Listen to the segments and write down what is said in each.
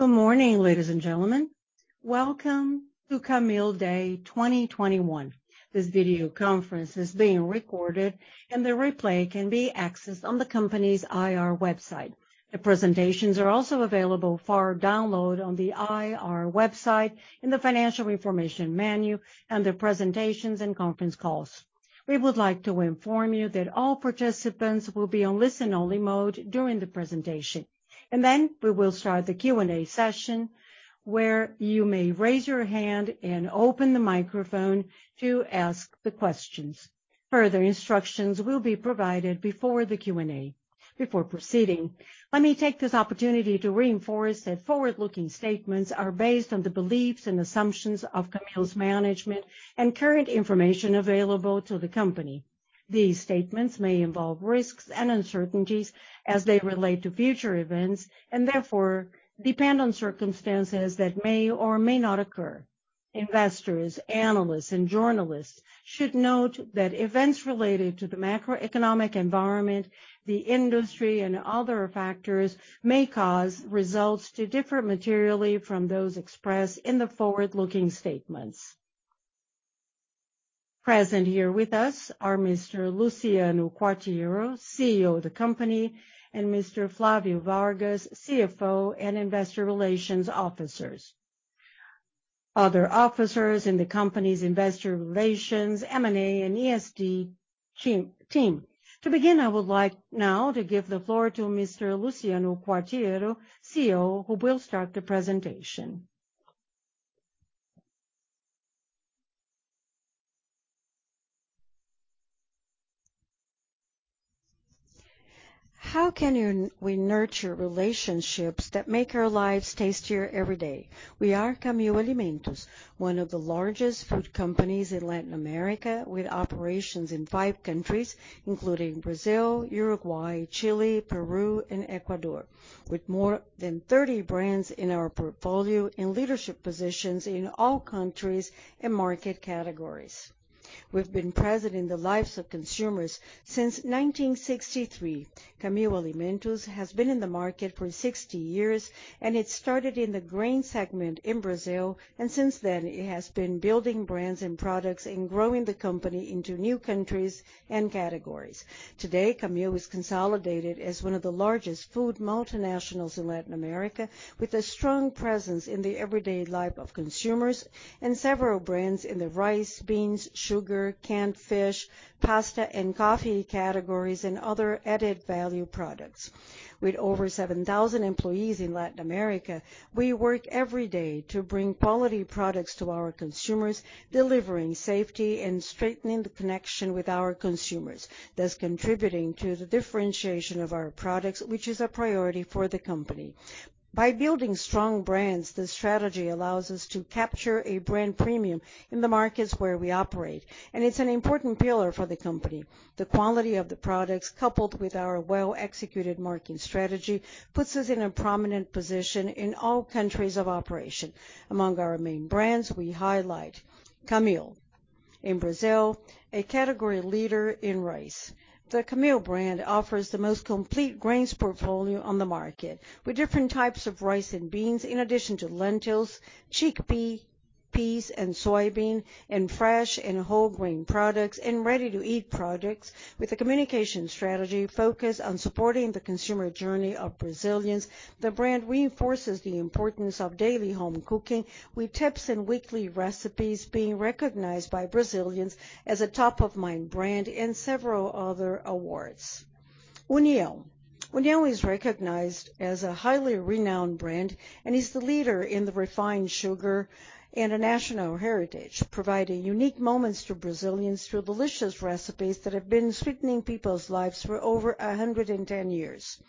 Good morning, ladies and gentlemen. Welcome to Camil Day 2021. This video conference is being recorded and the replay can be accessed on the company's IR website. The presentations are also available for download on the IR website in the Financial Information menu, under Presentations and Conference Calls. We would like to inform you that all participants will be on listen-only mode during the presentation. Then we will start the Q&A session, where you may raise your hand and open the microphone to ask the questions. Further instructions will be provided before the Q&A. Before proceeding, let me take this opportunity to reinforce that forward-looking statements are based on the beliefs and assumptions of Camil's management and current information available to the company. These statements may involve risks and uncertainties as they relate to future events, and therefore depend on circumstances that may or may not occur. Investors, analysts, and journalists should note that events related to the macroeconomic environment, the industry, and other factors may cause results to differ materially from those expressed in the forward-looking statements. Present here with us are Mr. Luciano Quartiero, CEO of the company, and Mr. Flavio Vargas, CFO and Investor Relations Officer, other officers in the company's investor relations, M&A, and ESG team. To begin, I would like now to give the floor to Mr. Luciano Quartiero, CEO, who will start the presentation. We nurture relationships that make our lives tastier every day? We are Camil Alimentos, one of the largest food companies in Latin America, with operations in five countries including Brazil, Uruguay, Chile, Peru, and Ecuador, with more than 30 brands in our portfolio and leadership positions in all countries and market categories. We've been present in the lives of consumers since 1963. Camil Alimentos has been in the market for 60 years, and it started in the grain segment in Brazil. Since then, it has been building brands and products and growing the company into new countries and categories. Today, Camil is consolidated as one of the largest food multinationals in Latin America, with a strong presence in the everyday life of consumers and several brands in the rice, beans, sugar, canned fish, pasta, and coffee categories, and other added-value products. With over 7,000 employees in Latin America, we work every day to bring quality products to our consumers, delivering safety and strengthening the connection with our consumers, thus contributing to the differentiation of our products, which is a priority for the company. By building strong brands, this strategy allows us to capture a brand premium in the markets where we operate, and it's an important pillar for the company. The quality of the products, coupled with our well-executed marketing strategy, puts us in a prominent position in all countries of operation. Among our main brands, we highlight Camil. In Brazil, Camil is a category leader in rice. The Camil brand offers the most complete grains portfolio on the market, with different types of rice and beans, in addition to lentils, chickpea, peas and soybean, and fresh and whole grain products, and ready-to-eat products with a communication strategy focused on supporting the consumer journey of Brazilians. The brand reinforces the importance of daily home cooking with tips and weekly recipes being recognized by Brazilians as a top-of-mind brand and several other awards. União. União is recognized as a highly renowned brand and is the leader in the refined sugar and a national heritage, providing unique moments to Brazilians through delicious recipes that have been sweetening people's lives for over 110 years.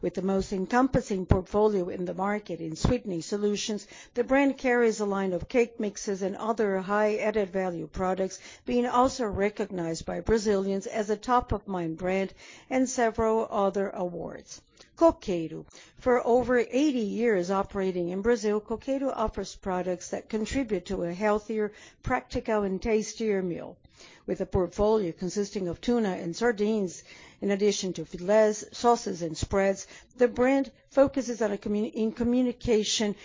With the most encompassing portfolio in the market in sweetening solutions, the brand carries a line of cake mixes and other high added-value products, being also recognized by Brazilians as a top-of-mind brand and several other awards. Coqueiro. For over 80 years operating in Brazil, Coqueiro offers products that contribute to a healthier, practical, and tastier meal. With a portfolio consisting of tuna and sardines, in addition to filets, sauces, and spreads, the brand focuses on a communication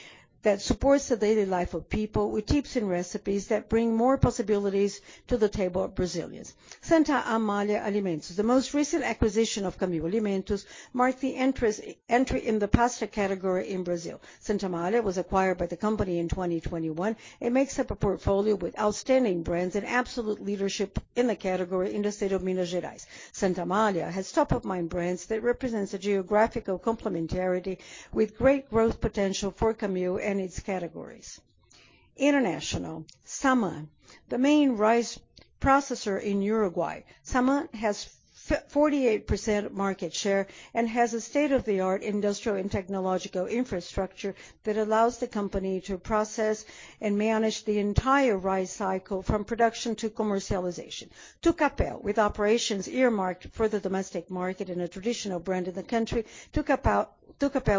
that supports the daily life of people with tips and recipes that bring more possibilities to the table of Brazilians. Santa Amália Alimentos. The most recent acquisition of Camil Alimentos marked the entry in the pasta category in Brazil. Santa Amália was acquired by the company in 2021 and makes up a portfolio with outstanding brands and absolute leadership in the category in the state of Minas Gerais. Santa Amália has top-of-mind brands that represents a geographical complementarity with great growth potential for Camil and its categories. International. SAMAN. The main rice processor in Uruguay. SAMAN has 48% market share and has a state-of-the-art industrial and technological infrastructure that allows the company to process and manage the entire rice cycle from production to commercialization. Tucapel. With operations earmarked for the domestic market and a traditional brand in the country, Tucapel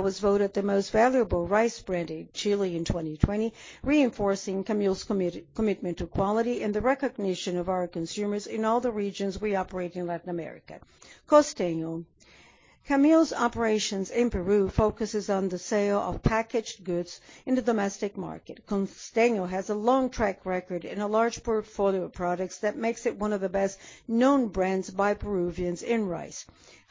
was voted the most valuable rice brand in Chile in 2020, reinforcing Camil's commitment to quality and the recognition of our consumers in all the regions we operate in Latin America. Costeño. Camil's operations in Peru focuses on the sale of packaged goods in the domestic market. Costeño has a long track record and a large portfolio of products that makes it one of the best-known brands by Peruvians in rice.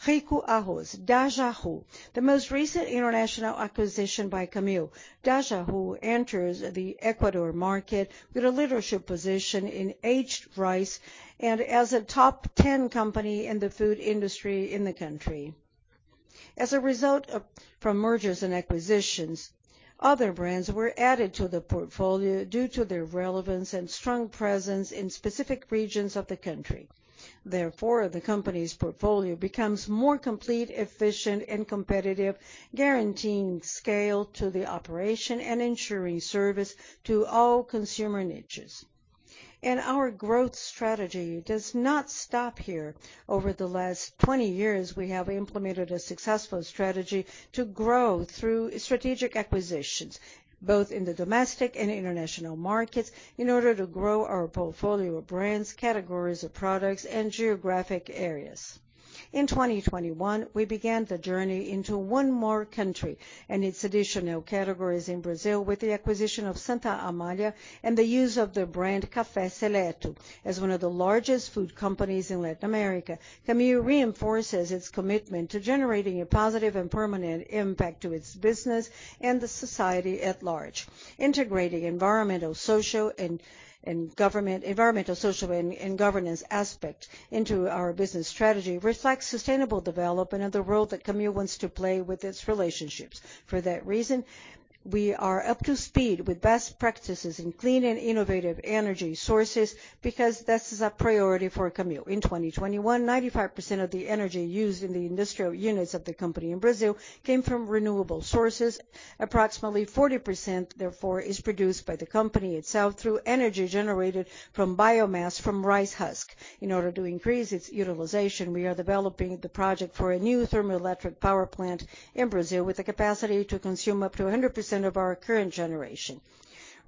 Rico Arroz, Dajahu, the most recent international acquisition by Camil. Dajahu enters the Ecuador market with a leadership position in aged rice and as a top ten company in the food industry in the country. From mergers and acquisitions, other brands were added to the portfolio due to their relevance and strong presence in specific regions of the country. Therefore, the company's portfolio becomes more complete, efficient and competitive, guaranteeing scale to the operation and ensuring service to all consumer niches. Our growth strategy does not stop here. Over the last 20 years, we have implemented a successful strategy to grow through strategic acquisitions, both in the domestic and international markets, in order to grow our portfolio of brands, categories of products and geographic areas. In 2021, we began the journey into one more country and its additional categories in Brazil with the acquisition of Santa Amália and the use of the brand Café Seleto. As one of the largest food companies in Latin America, Camil reinforces its commitment to generating a positive and permanent impact to its business and the society at large. Integrating environmental, social, and governance aspects into our business strategy reflects sustainable development of the role that Camil wants to play with its relationships. For that reason, we are up to speed with best practices in clean and innovative energy sources because this is a priority for Camil. In 2021, 95% of the energy used in the industrial units of the company in Brazil came from renewable sources. Approximately 40%, therefore, is produced by the company itself through energy generated from biomass from rice husk. In order to increase its utilization, we are developing the project for a new thermoelectric power plant in Brazil with the capacity to consume up to 100% of our current generation.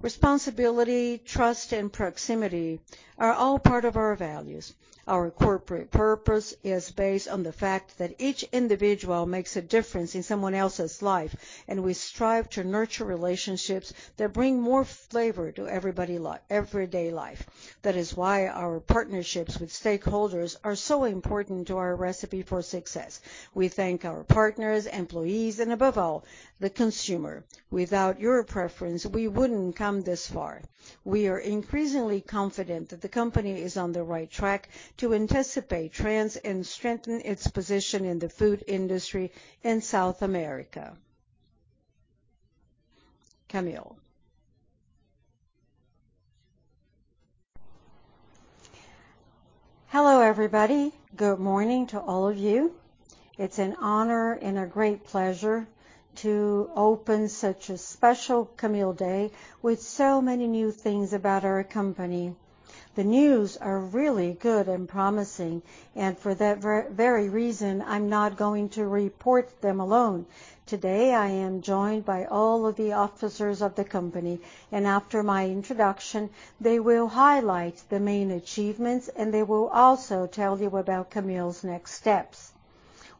Responsibility, trust and proximity are all part of our values. Our corporate purpose is based on the fact that each individual makes a difference in someone else's life, and we strive to nurture relationships that bring more flavor to everybody's everyday life. That is why our partnerships with stakeholders are so important to our recipe for success. We thank our partners, employees and above all, the consumer. Without your preference, we wouldn't come this far. We are increasingly confident that the company is on the right track to anticipate trends and strengthen its position in the food industry in South America. Camil. Hello, everybody. Good morning to all of you. It's an honor and a great pleasure to open such a special Camil Day with so many new things about our company. The news are really good and promising, and for that very reason, I'm not going to report them alone. Today, I am joined by all of the officers of the company, and after my introduction, they will highlight the main achievements, and they will also tell you about Camil's next steps.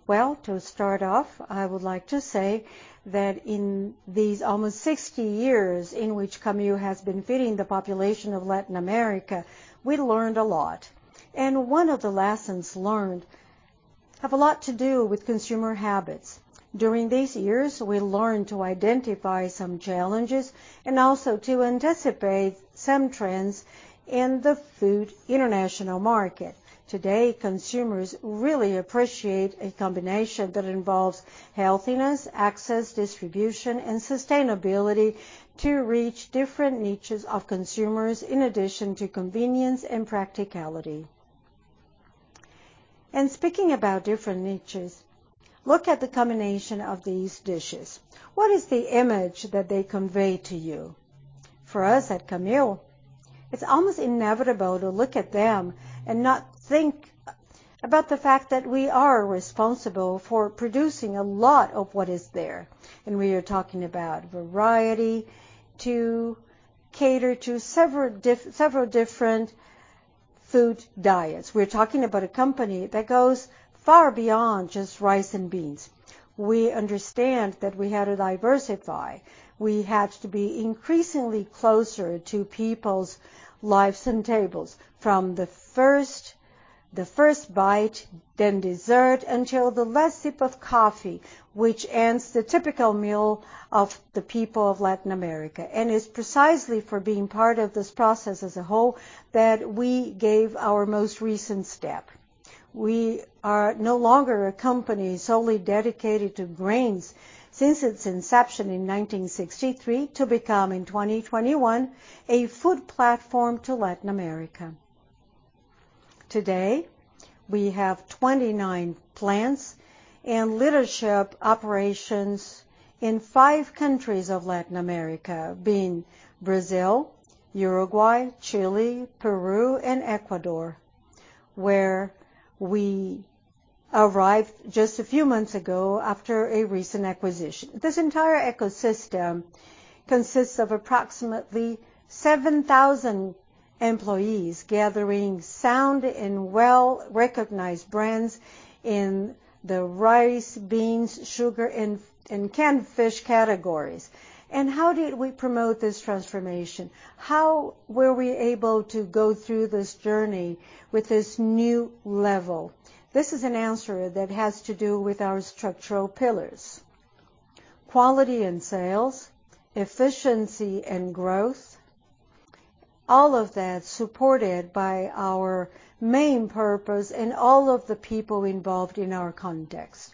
Well, to start off, I would like to say that in these almost 60 years in which Camil has been feeding the population of Latin America, we learned a lot. One of the lessons learned have a lot to do with consumer habits. During these years, we learned to identify some challenges and also to anticipate some trends in the international food market. Today, consumers really appreciate a combination that involves healthiness, access, distribution, and sustainability to reach different niches of consumers, in addition to convenience and practicality. Speaking about different niches, look at the combination of these dishes. What is the image that they convey to you? For us at Camil, it's almost inevitable to look at them and not think about the fact that we are responsible for producing a lot of what is there, and we are talking about variety to cater to several different food diets. We're talking about a company that goes far beyond just rice and beans. We understand that we had to diversify. We had to be increasingly closer to people's lives and tables, from the first bite, then dessert until the last sip of coffee, which ends the typical meal of the people of Latin America. It's precisely for being part of this process as a whole that we gave our most recent step. We are no longer a company solely dedicated to grains since its inception in 1963 to become, in 2021, a food platform to Latin America. Today, we have 29 plants and leadership operations in five countries of Latin America, being Brazil, Uruguay, Chile, Peru and Ecuador, where we arrived just a few months ago after a recent acquisition. This entire ecosystem consists of approximately 7,000 employees gathering sound and well-recognized brands in the rice, beans, sugar, and canned fish categories. How did we promote this transformation? How were we able to go through this journey with this new level? This is an answer that has to do with our structural pillars. Quality and sales, efficiency and growth, all of that supported by our main purpose and all of the people involved in our context.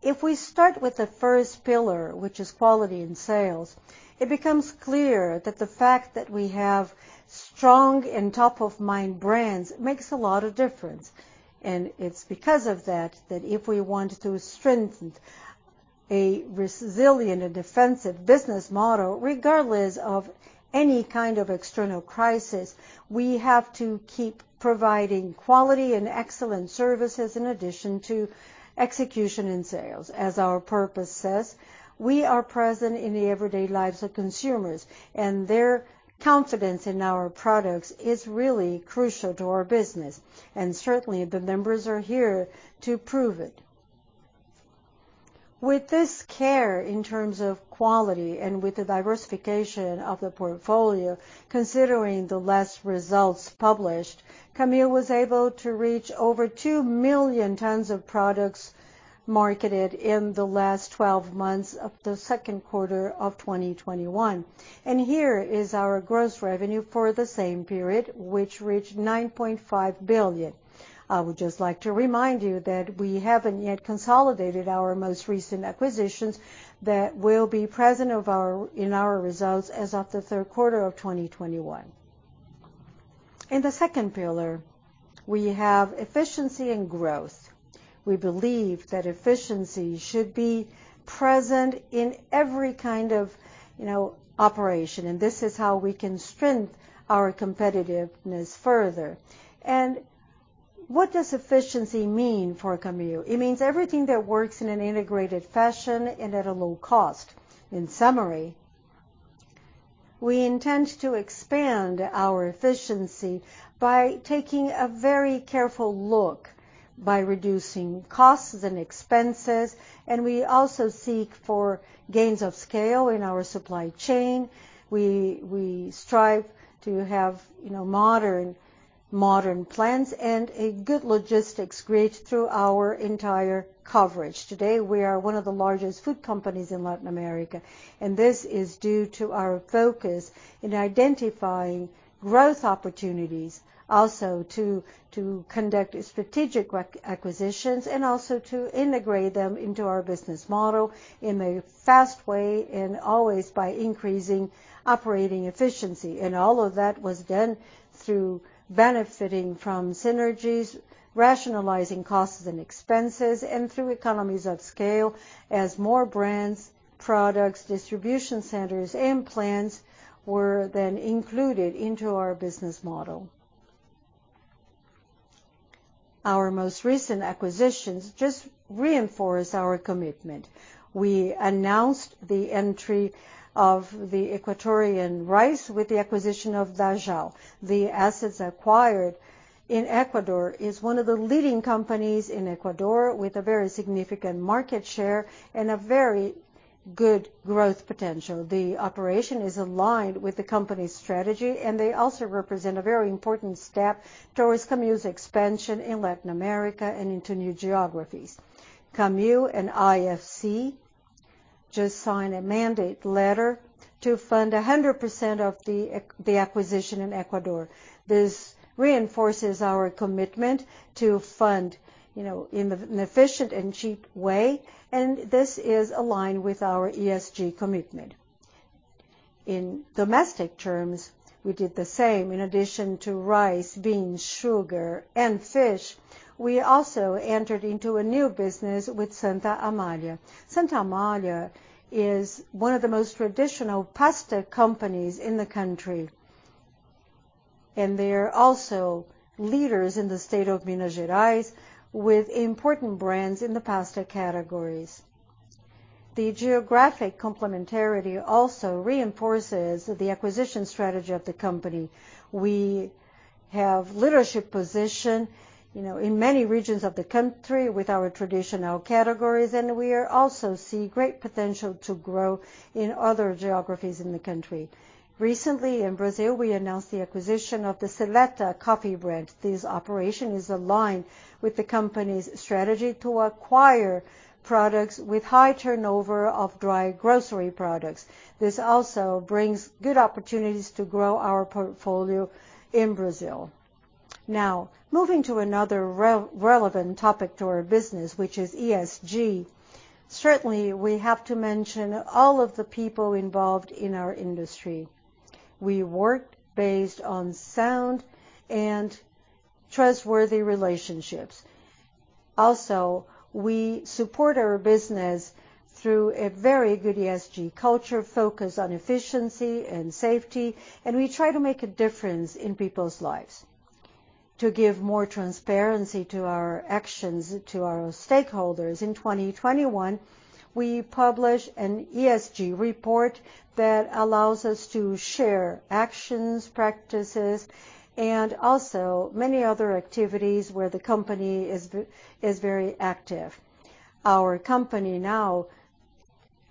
If we start with the first pillar, which is quality and sales, it becomes clear that the fact that we have strong and top-of-mind brands makes a lot of difference. It's because of that if we want to strengthen a resilient and defensive business model, regardless of any kind of external crisis, we have to keep providing quality and excellent services in addition to execution and sales. As our purpose says, we are present in the everyday lives of consumers, and their confidence in our products is really crucial to our business, and certainly, the numbers are here to prove it. With this care in terms of quality and with the diversification of the portfolio, considering the last results published, Camil was able to reach over two million tons of products marketed in the last 12 months of the second quarter of 2021. Here is our gross revenue for the same period, which reached 9.5 billion. I would just like to remind you that we haven't yet consolidated our most recent acquisitions that will be present in our results as of the third quarter of 2021. In the second pillar, we have efficiency and growth. We believe that efficiency should be present in every kind of, you know, operation, and this is how we can strengthen our competitiveness further. What does efficiency mean for Camil? It means everything that works in an integrated fashion and at a low cost. In summary, we intend to expand our efficiency by taking a very careful look, by reducing costs and expenses, and we also seek for gains of scale in our supply chain. We strive to have, you know, modern plants and a good logistics grid through our entire coverage. Today, we are one of the largest food companies in Latin America, and this is due to our focus in identifying growth opportunities, also to conduct strategic acquisitions and also to integrate them into our business model in a fast way and always by increasing operating efficiency. All of that was done through benefiting from synergies, rationalizing costs and expenses, and through economies of scale as more brands, products, distribution centers, and plants were then included into our business model. Our most recent acquisitions just reinforce our commitment. We announced the entry of the Ecuadorian rice with the acquisition of Dajahu. The assets acquired in Ecuador is one of the leading companies in Ecuador with a very significant market share and a very good growth potential. The operation is aligned with the company's strategy, and they also represent a very important step towards Camil's expansion in Latin America and into new geographies. Camil and IFC just signed a mandate letter to fund 100% of the acquisition in Ecuador. This reinforces our commitment to fund, you know, in an efficient and cheap way, and this is aligned with our ESG commitment. In domestic terms, we did the same. In addition to rice, beans, sugar, and fish, we also entered into a new business with Santa Amália. Santa Amália is one of the most traditional pasta companies in the country, and they're also leaders in the state of Minas Gerais with important brands in the pasta categories. The geographic complementarity also reinforces the acquisition strategy of the company. We have leadership position, you know, in many regions of the country with our traditional categories, and we also see great potential to grow in other geographies in the country. Recently, in Brazil, we announced the acquisition of the Seleto coffee brand. This operation is aligned with the company's strategy to acquire products with high turnover of dry grocery products. This also brings good opportunities to grow our portfolio in Brazil. Now, moving to another relevant topic to our business, which is ESG, certainly, we have to mention all of the people involved in our industry. We work based on sound and trustworthy relationships. Also, we support our business through a very good ESG culture focused on efficiency and safety, and we try to make a difference in people's lives. To give more transparency to our actions, to our stakeholders, in 2021, we published an ESG report that allows us to share actions, practices, and also many other activities where the company is very active. Our company now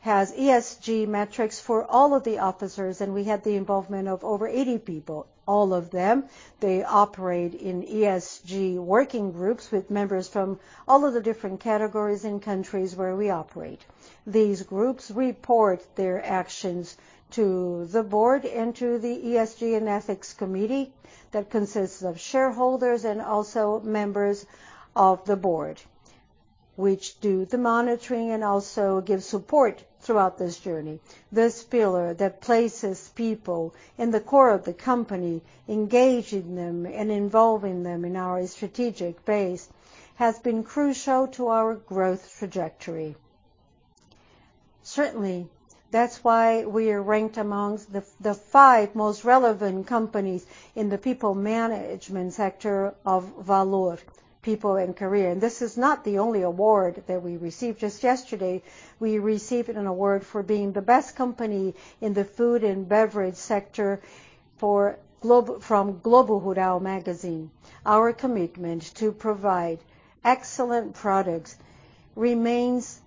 has ESG metrics for all of the officers, and we had the involvement of over 80 people. All of them, they operate in ESG working groups with members from all of the different categories and countries where we operate. These groups report their actions to the board and to the ESG and Ethics Committee that consists of shareholders and also members of the board, which do the monitoring and also give support throughout this journey. This pillar that places people in the core of the company, engaging them and involving them in our strategic base, has been crucial to our growth trajectory. Certainly, that's why we are ranked among the five most relevant companies in the people management sector of Valor Carreira. This is not the only award that we received. Just yesterday, we received an award for being the best company in the food and beverage sector from Globo Rural magazine. Our commitment to provide excellent products remains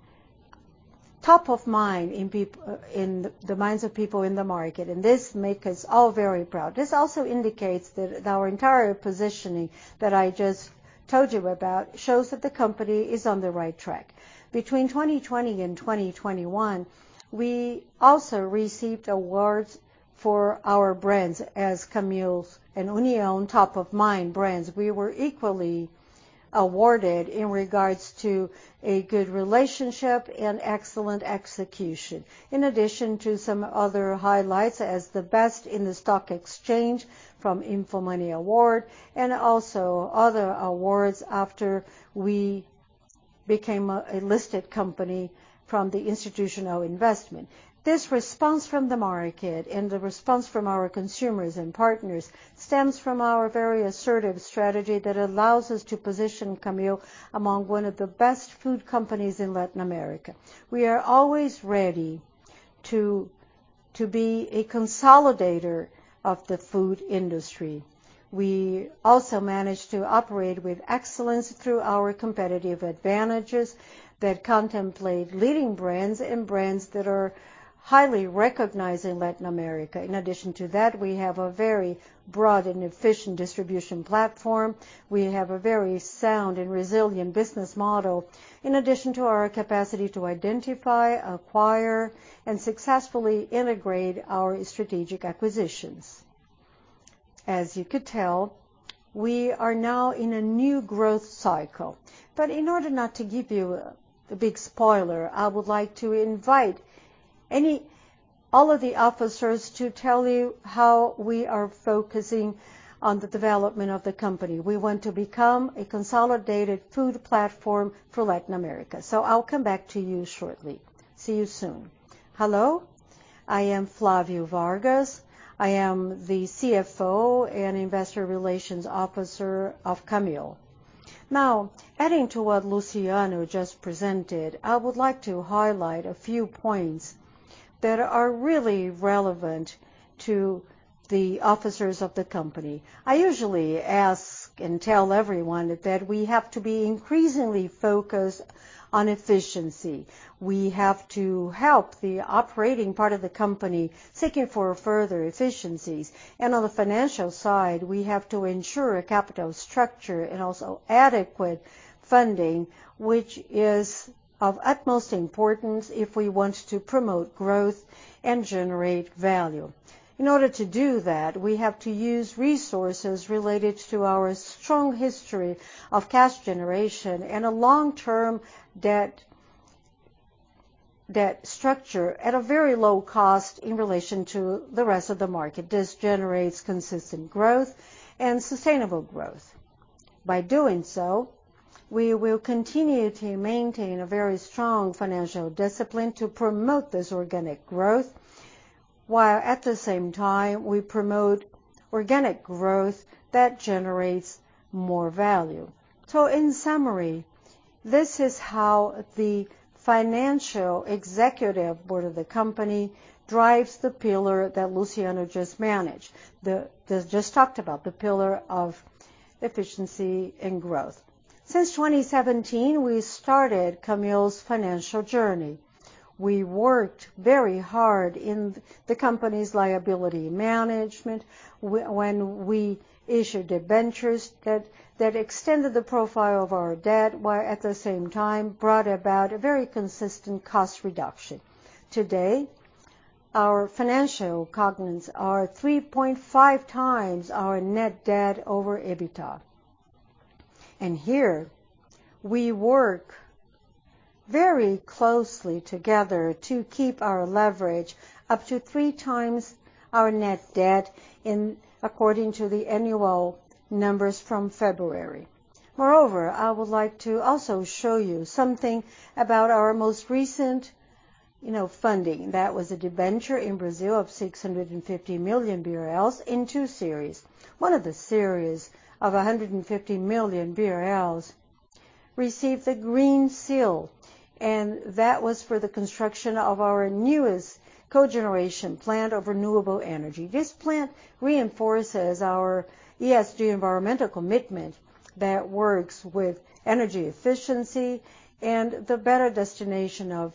top of mind in the minds of people in the market, and this makes us all very proud. This also indicates that our entire positioning that I just told you about shows that the company is on the right track. Between 2020 and 2021, we also received awards for our brands as Camil's and União top-of-mind brands. We were equally awarded in regards to a good relationship and excellent execution. In addition to some other highlights as the best in the stock exchange from InfoMoney Award and also other awards after we became a listed company from the Institutional Investor. This response from the market and the response from our consumers and partners stems from our very assertive strategy that allows us to position Camil among one of the best food companies in Latin America. We are always ready to be a consolidator of the food industry. We also manage to operate with excellence through our competitive advantages that contemplate leading brands and brands that are highly recognized in Latin America. In addition to that, we have a very broad and efficient distribution platform. We have a very sound and resilient business model, in addition to our capacity to identify, acquire, and successfully integrate our strategic acquisitions. As you could tell, we are now in a new growth cycle. In order not to give you a big spoiler, I would like to invite all of the officers to tell you how we are focusing on the development of the company. We want to become a consolidated food platform for Latin America. I'll come back to you shortly. See you soon. Hello, I am Flavio Vargas. I am the CFO and Investor Relations Officer of Camil. Now, adding to what Luciano just presented, I would like to highlight a few points that are really relevant to the officers of the company. I usually ask and tell everyone that we have to be increasingly focused on efficiency. We have to help the operating part of the company seeking for further efficiencies. On the financial side, we have to ensure a capital structure and also adequate funding, which is of utmost importance if we want to promote growth and generate value. In order to do that, we have to use resources related to our strong history of cash generation and a long-term debt structure at a very low cost in relation to the rest of the market. This generates consistent growth and sustainable growth. By doing so, we will continue to maintain a very strong financial discipline to promote this organic growth, while at the same time, we promote organic growth that generates more value. In summary, this is how the financial executive board of the company drives the pillar that Luciano just talked about, the pillar of efficiency and growth. Since 2017, we started Camil's financial journey. We worked very hard in the company's liability management when we issued debentures that extended the profile of our debt, while at the same time brought about a very consistent cost reduction. Today, our financial covenants are 3.5x our net debt over EBITDA. Here, we work very closely together to keep our leverage up to 3x our net debt in accordance with the annual numbers from February. Moreover, I would like to also show you something about our most recent, you know, funding. That was a debenture in Brazil of 650 million BRL in two series. One of the series of 150 million BRL received a Green Seal, and that was for the construction of our newest cogeneration plant of renewable energy. This plant reinforces our ESG environmental commitment that works with energy efficiency and the better destination of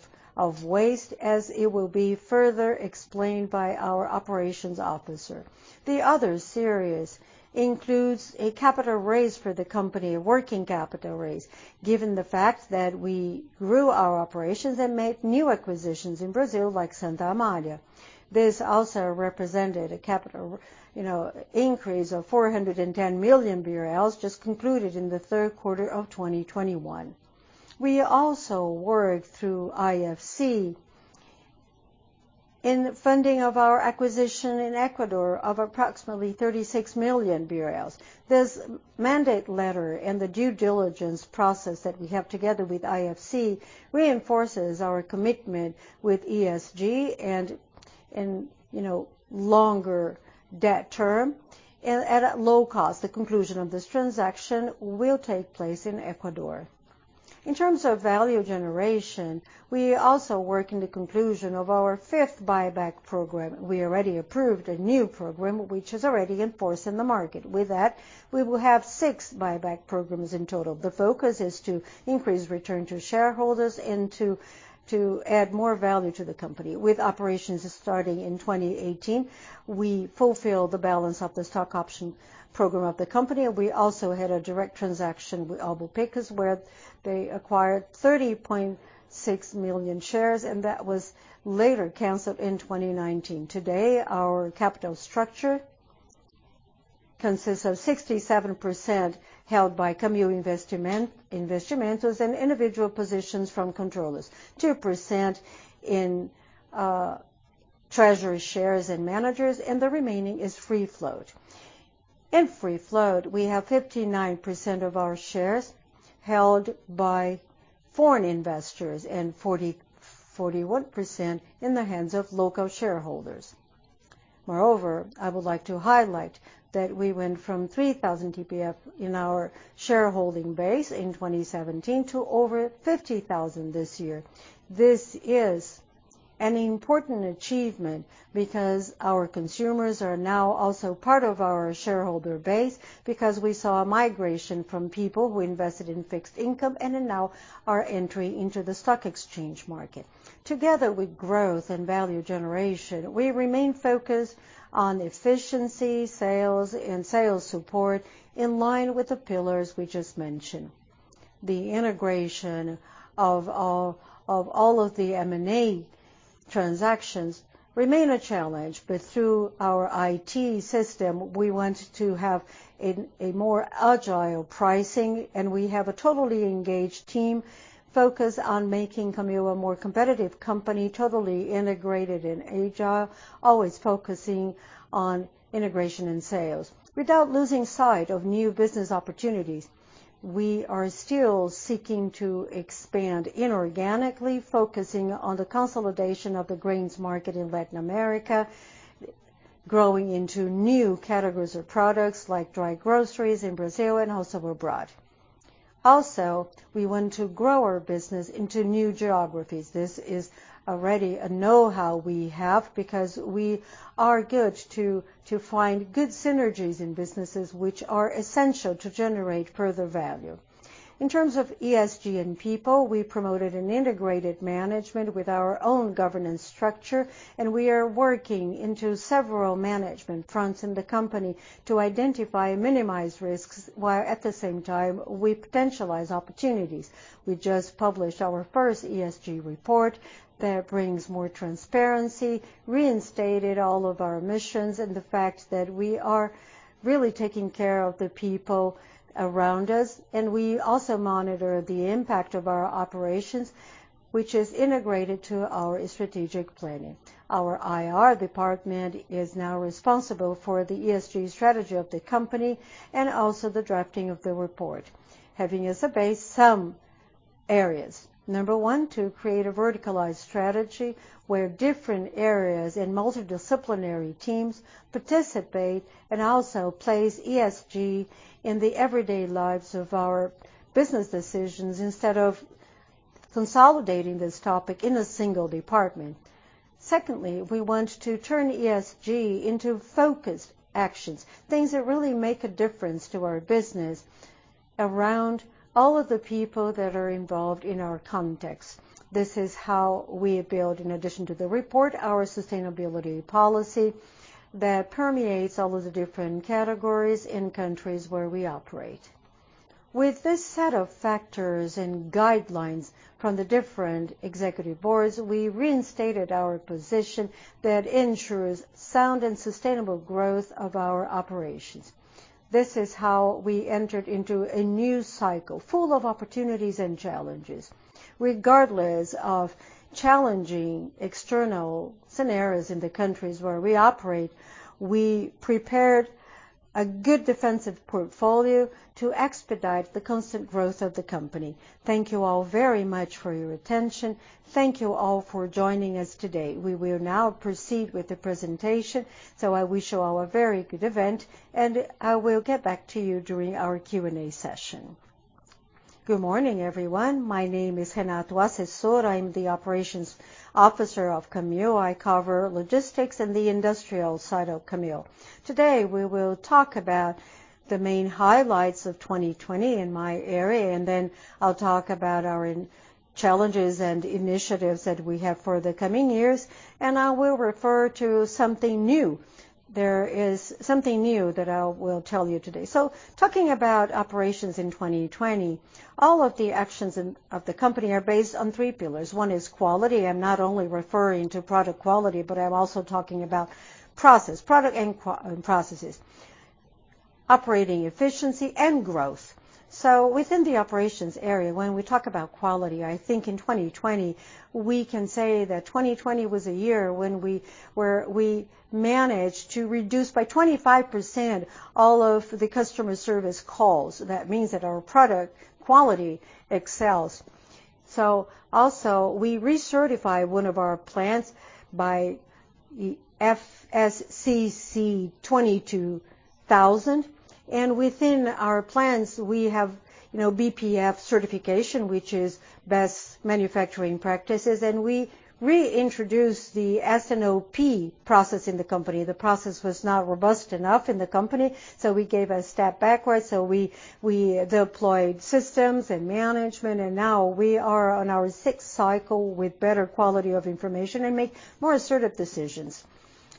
waste as it will be further explained by our operations officer. The other series includes a capital raise for the company, a working capital raise, given the fact that we grew our operations and made new acquisitions in Brazil like Santa Amália. This also represented a capital, you know, increase of 410 million BRL just concluded in the third quarter of 2021. We also worked through IFC in funding of our acquisition in Ecuador of approximately 36 million BRL. This mandate letter and the due diligence process that we have together with IFC reinforces our commitment with ESG and, you know, longer debt term and at a low cost. The conclusion of this transaction will take place in Ecuador. In terms of value generation, we also work in the conclusion of our fifth buyback program. We already approved a new program which is already in force in the market. With that, we will have six buyback programs in total. The focus is to increase return to shareholders and to add more value to the company. With operations starting in 2018, we fulfilled the balance of the stock option program of the company. We also had a direct transaction with Warburg Pincus where they acquired 30.6 million shares, and that was later canceled in 2019. Today, our capital structure consists of 67% held by Camil Investimentos and individual positions from controllers, 2% in treasury shares and managers, and the remaining is free float. In free float, we have 59% of our shares held by foreign investors and 41% in the hands of local shareholders. Moreover, I would like to highlight that we went from 3,000 CPFs in our shareholding base in 2017 to over 50,000 this year. This is an important achievement because our consumers are now also part of our shareholder base because we saw a migration from people who invested in fixed income and are now entering into the stock exchange market. Together with growth and value generation, we remain focused on efficiency, sales, and sales support in line with the pillars we just mentioned. The integration of all of the M&A transactions remain a challenge, but through our IT system, we want to have a more agile pricing, and we have a totally engaged team focused on making Camil a more competitive company, totally integrated and agile, always focusing on integration and sales. Without losing sight of new business opportunities, we are still seeking to expand inorganically, focusing on the consolidation of the grains market in Latin America, growing into new categories of products like dry groceries in Brazil and also abroad. Also, we want to grow our business into new geographies. This is already a know-how we have because we are good to find good synergies in businesses which are essential to generate further value. In terms of ESG and people, we promoted an integrated management with our own governance structure, and we are working into several management fronts in the company to identify and minimize risks, while at the same time, we potentialize opportunities. We just published our first ESG report that brings more transparency, reinstated all of our missions, and the fact that we are really taking care of the people around us. We also monitor the impact of our operations, which is integrated to our strategic planning. Our IR department is now responsible for the ESG strategy of the company and also the drafting of the report, having as a base some areas, number one to create a verticalized strategy where different areas and multidisciplinary teams participate and also place ESG in the everyday lives of our business decisions instead of consolidating this topic in a single department. Secondly, we want to turn ESG into focused actions, things that really make a difference to our business around all of the people that are involved in our context. This is how we build, in addition to the report, our sustainability policy that permeates all of the different categories in countries where we operate. With this set of factors and guidelines from the different executive boards, we reinstated our position that ensures sound and sustainable growth of our operations. This is how we entered into a new cycle full of opportunities and challenges. Regardless of challenging external scenarios in the countries where we operate, we prepared a good defensive portfolio to expedite the constant growth of the company. Thank you all very much for your attention. Thank you all for joining us today. We will now proceed with the presentation. I wish you all a very good event, and I will get back to you during our Q&A session. Good morning, everyone. My name is [Henatua Assessora]. I'm the Operations Officer of Camil. I cover logistics and the industrial side of Camil. Today, we will talk about the main highlights of 2020 in my area, and then I'll talk about our challenges and initiatives that we have for the coming years, and I will refer to something new. There is something new that I will tell you today. Talking about operations in 2020, all of the actions of the company are based on three pillars. One is quality. I'm not only referring to product quality, but I'm also talking about process, product and processes, operating efficiency and growth. Within the operations area, when we talk about quality, I think in 2020 we can say that 2020 was a year when we managed to reduce by 25% all of the customer service calls. That means that our product quality excels. Also we recertify one of our plants by FSSC 22000. Within our plants we have BPF certification, which is best manufacturing practices, and we reintroduced the S&OP process in the company. The process was not robust enough in the company, so we gave a step backwards. We deployed systems and management, and now we are on our sixth cycle with better quality of information and make more assertive decisions.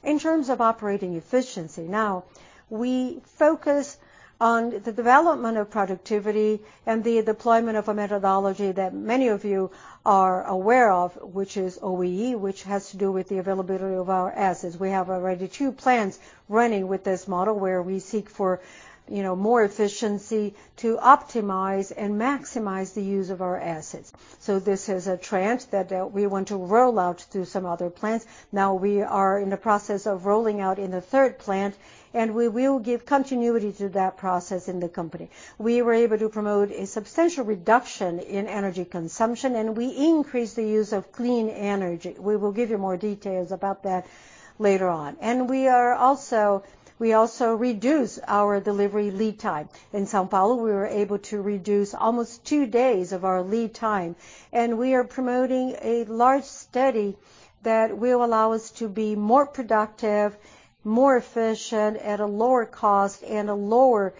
In terms of operating efficiency, now we focus on the development of productivity and the deployment of a methodology that many of you are aware of, which is OEE, which has to do with the availability of our assets. We have already two plants running with this model where we seek for, you know, more efficiency to optimize and maximize the use of our assets. This is a trend that we want to roll out to some other plants. Now we are in the process of rolling out in a third plant and we will give continuity to that process in the company. We were able to promote a substantial reduction in energy consumption and we increased the use of clean energy. We will give you more details about that later on. We also reduce our delivery lead time. In São Paulo, we were able to reduce almost two days of our lead time, and we are promoting a large study that will allow us to be more productive, more efficient at a lower cost and a lower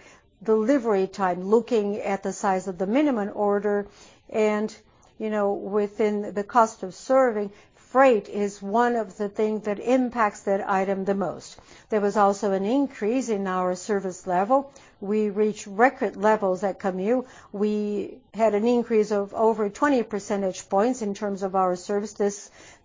delivery time. Looking at the size of the minimum order and, you know, within the cost of serving, freight is one of the things that impacts that item the most. There was also an increase in our service level. We reached record levels at Camil. We had an increase of over 20 percentage points in terms of our service.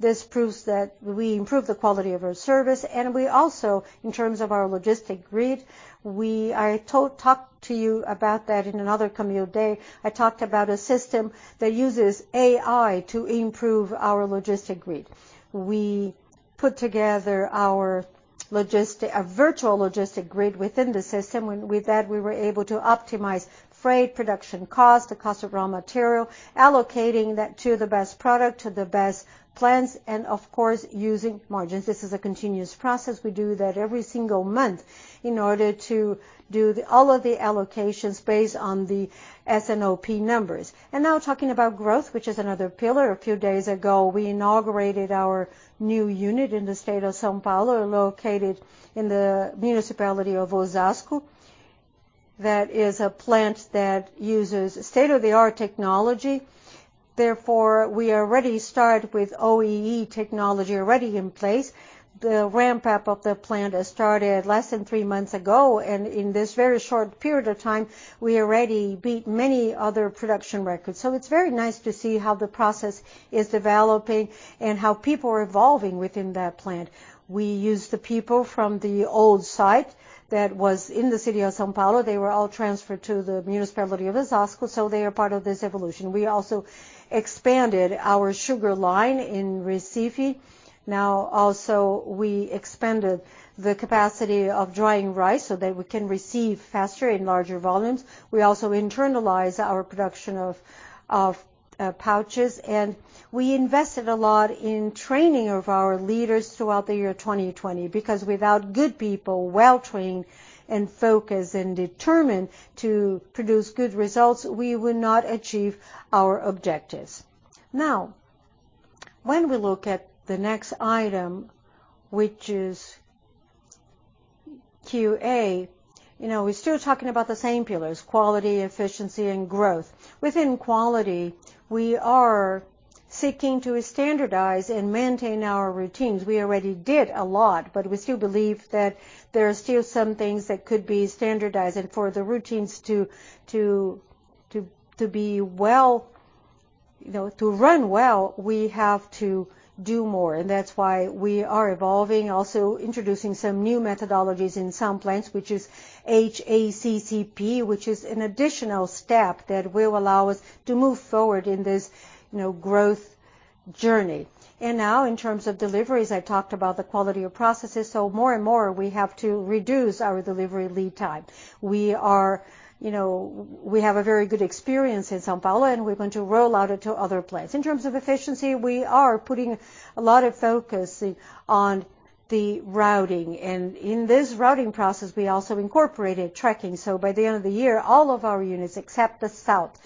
This proves that we improved the quality of our service and we also, in terms of our logistic grid, I talked to you about that in another Camil day. I talked about a system that uses AI to improve our logistic grid. We put together a virtual logistic grid within the system. With that, we were able to optimize freight production cost, the cost of raw material, allocating that to the best product, to the best plans and of course, using margins. This is a continuous process. We do that every single month in order to do all of the allocations based on the S&OP numbers. Now talking about growth, which is another pillar. A few days ago, we inaugurated our new unit in the state of São Paulo, located in the municipality of Osasco. That is a plant that uses state-of-the-art technology. Therefore, we already start with OEE technology already in place. The ramp up of the plant has started less than three months ago, and in this very short period of time, we already beat many other production records. It's very nice to see how the process is developing and how people are evolving within that plant. We use the people from the old site that was in the city of São Paulo. They were all transferred to the municipality of Osasco, so they are part of this evolution. We also expanded our sugar line in Recife. Now also we expanded the capacity of drying rice so that we can receive faster and larger volumes. We also internalize our production of pouches, and we invested a lot in training of our leaders throughout the year 2020. Because without good people, well trained and focused and determined to produce good results, we will not achieve our objectives. Now, when we look at the next item, which is QA, you know, we're still talking about the same pillars, quality, efficiency and growth. Within quality, we are seeking to standardize and maintain our routines. We already did a lot, but we still believe that there are still some things that could be standardized. For the routines to be well, you know, to run well, we have to do more. That's why we are evolving, also introducing some new methodologies in some plants, which is HACCP, which is an additional step that will allow us to move forward in this, you know, growth journey. Now in terms of deliveries, I talked about the quality of processes, so more and more we have to reduce our delivery lead time. We are, you know, we have a very good experience in São Paulo, and we're going to roll out into other places. In terms of efficiency, we are putting a lot of focus on the routing. In this routing process, we also incorporated tracking. By the end of the year, all of our units, except the south,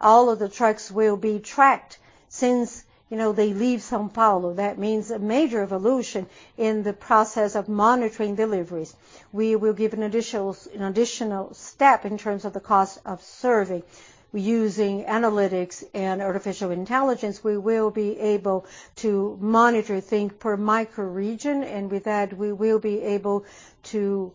all of the trucks will be tracked since, you know, they leave São Paulo. That means a major evolution in the process of monitoring deliveries. We will give an additional step in terms of the cost of serving. Using analytics and artificial intelligence, we will be able to monitor, think per micro region, and with that we will be able to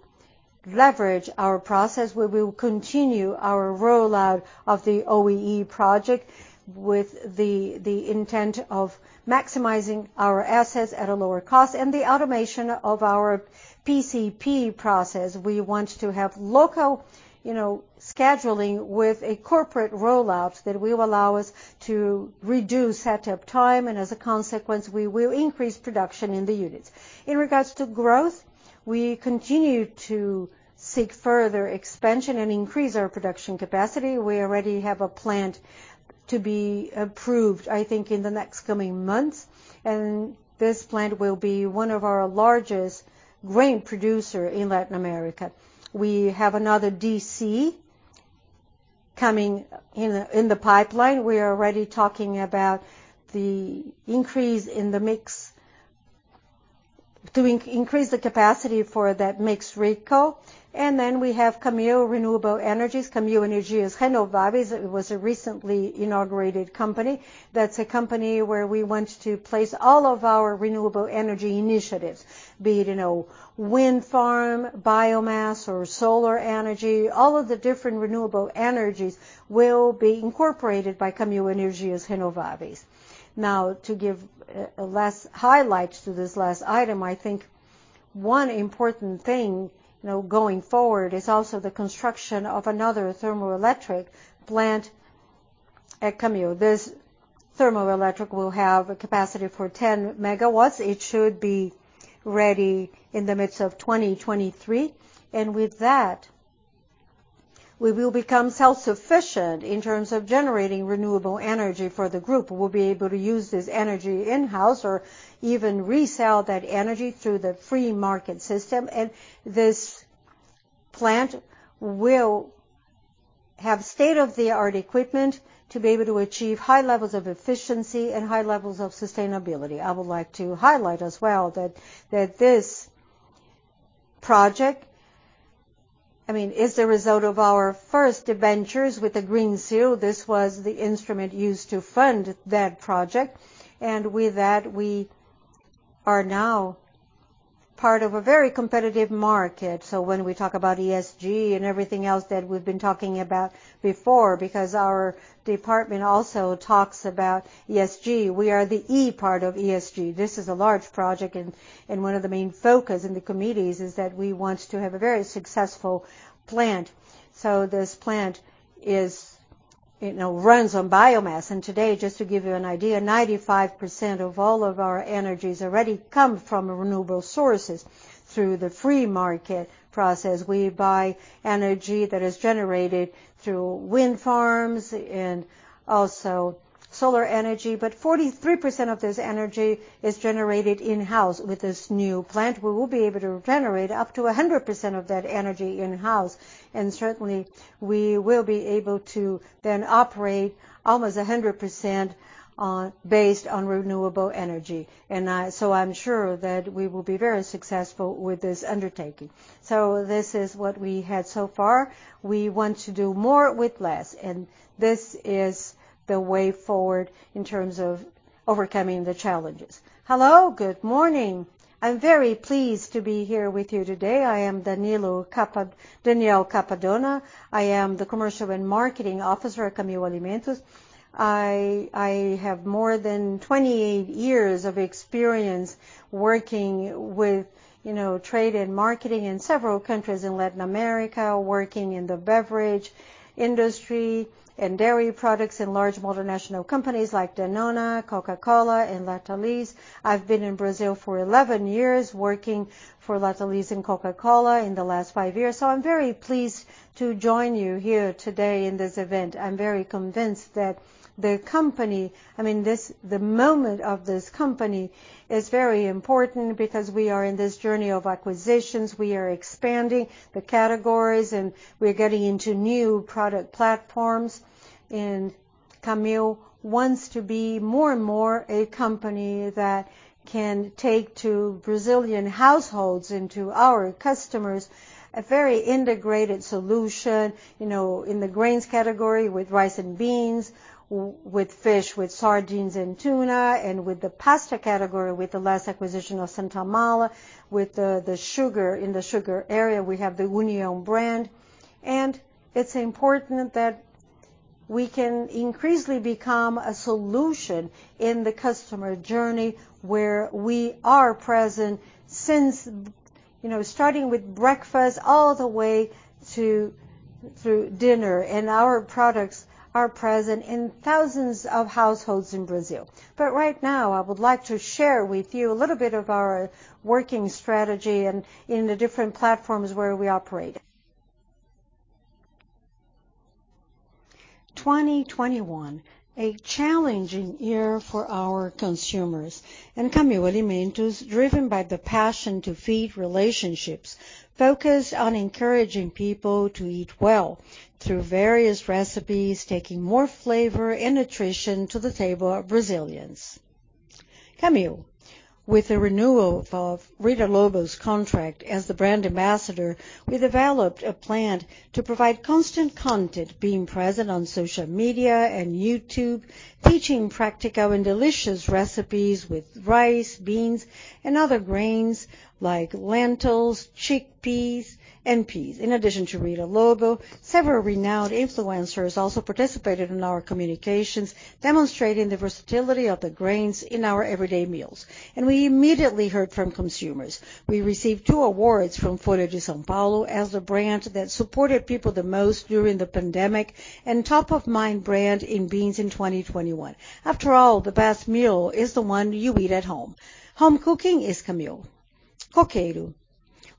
leverage our process. We will continue our rollout of the OEE project with the intent of maximizing our assets at a lower cost and the automation of our PCP process. We want to have local, you know, scheduling with a corporate rollout that will allow us to reduce setup time, and as a consequence, we will increase production in the units. In regards to growth, we continue to seek further expansion and increase our production capacity. We already have a plant to be approved, I think, in the next coming months. This plant will be one of our largest grain producer in Latin America. We have another DC coming in the pipeline. We are already talking about the increase in the mix to increase the capacity for that mix recall. Then we have Camil Energias Renováveis. Camil Energias Renováveis, it was a recently inaugurated company. That's a company where we want to place all of our renewable energy initiatives, be it, you know, wind farm, biomass, or solar energy. All of the different renewable energies will be incorporated by Camil Energias Renováveis. To give a last highlight to this last item, I think one important thing, you know, going forward is also the construction of another thermoelectric plant at Camil. This thermoelectric will have a capacity for 10 MW. It should be ready in the midst of 2023. With that, we will become self-sufficient in terms of generating renewable energy for the group. We'll be able to use this energy in-house or even resell that energy through the free market system. This plant will have state-of-the-art equipment to be able to achieve high levels of efficiency and high levels of sustainability. I would like to highlight as well that this project, I mean, is a result of our first ventures with the Green Seal. This was the instrument used to fund that project. With that, we are now part of a very competitive market. When we talk about ESG and everything else that we've been talking about before, because our department also talks about ESG, we are the E part of ESG. This is a large project and one of the main focus in the committees is that we want to have a very successful plant. This plant is, you know, runs on biomass. Today, just to give you an idea, 95% of all of our energies already come from renewable sources through the free market process. We buy energy that is generated through wind farms and also solar energy. 43% of this energy is generated in-house. With this new plant, we will be able to generate up to 100% of that energy in-house. Certainly, we will be able to then operate almost 100% on, based on renewable energy. I'm sure that we will be very successful with this undertaking. This is what we had so far. We want to do more with less, and this is the way forward in terms of overcoming the challenges. Hello, good morning. I'm very pleased to be here with you today. I am Daniel Cappadona. I am the Commercial and Marketing Officer at Camil Alimentos. I have more than 28 years of experience working with, you know, trade and marketing in several countries in Latin America, working in the beverage industry and dairy products in large multinational companies like Danone, Coca-Cola and Lactalis. I've been in Brazil for 11 years, working for Lactalis and Coca-Cola in the last five years. I'm very pleased to join you here today in this event. I'm very convinced that the company, I mean this, the moment of this company is very important because we are in this journey of acquisitions. We are expanding the categories, and we're getting into new product platforms. Camil wants to be more and more a company that can take to Brazilian households and to our customers a very integrated solution, you know, in the grains category with rice and beans, with fish, with sardines and tuna, and with the pasta category with the last acquisition of Santa Amália, with the sugar. In the sugar area, we have the União brand. It's important that we can increasingly become a solution in the customer journey where we are present since the, you know, starting with breakfast all the way to, through dinner, and our products are present in thousands of households in Brazil. Right now, I would like to share with you a little bit of our working strategy and in the different platforms where we operate. 2021, a challenging year for our consumers, and Camil Alimentos, driven by the passion to feed relationships, focused on encouraging people to eat well through various recipes, taking more flavor and nutrition to the table of Brazilians. Camil, with the renewal of Rita Lobo's contract as the brand ambassador, we developed a plan to provide constant content, being present on social media and YouTube, teaching practical and delicious recipes with rice, beans, and other grains like lentils, chickpeas, and peas. In addition to Rita Lobo, several renowned influencers also participated in our communications, demonstrating the versatility of the grains in our everyday meals. We immediately heard from consumers. We received two awards from Folha de S.Paulo as the brand that supported people the most during the pandemic, and top-of-mind brand in beans in 2021. After all, the best meal is the one you eat at home. Home cooking is Camil. Coqueiro.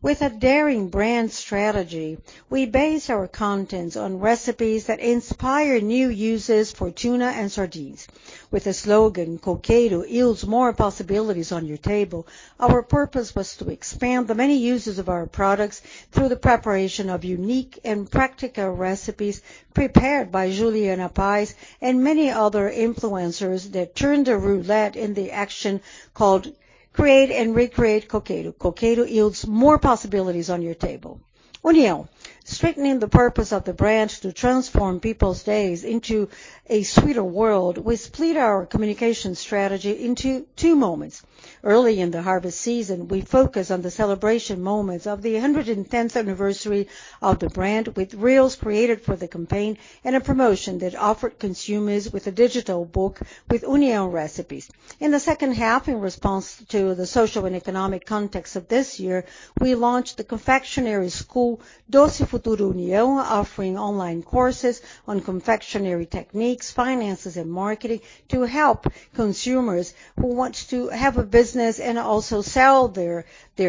With a daring brand strategy, we base our contents on recipes that inspire new uses for tuna and sardines. With the slogan, "Coqueiro yields more possibilities on your table," our purpose was to expand the many uses of our products through the preparation of unique and practical recipes prepared by Juliana Paes and many other influencers that turned the roulette in the action called Create and Recreate Coqueiro. Coqueiro yields more possibilities on your table. União. Strengthening the purpose of the brand to transform people's days into a sweeter world, we split our communication strategy into two moments. Early in the harvest season, we focused on the celebration moments of the 110th anniversary of the brand with reels created for the campaign and a promotion that offered consumers with a digital book with União recipes. In the second half, in response to the social and economic context of this year, we launched the confectionery school, Doce Futuro União, offering online courses on confectionery techniques, finances, and marketing to help consumers who want to have a business and also sell their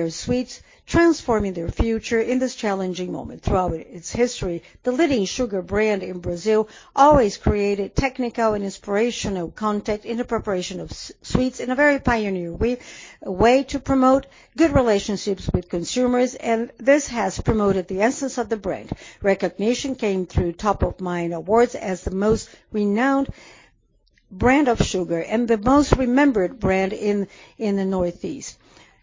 sweets, transforming their future in this challenging moment. Throughout its history, the leading sugar brand in Brazil always created technical and inspirational content in the preparation of sweets in a very pioneer way to promote good relationships with consumers, and this has promoted the essence of the brand. Recognition came through top-of-mind awards as the most renowned brand of sugar and the most remembered brand in the Northeast.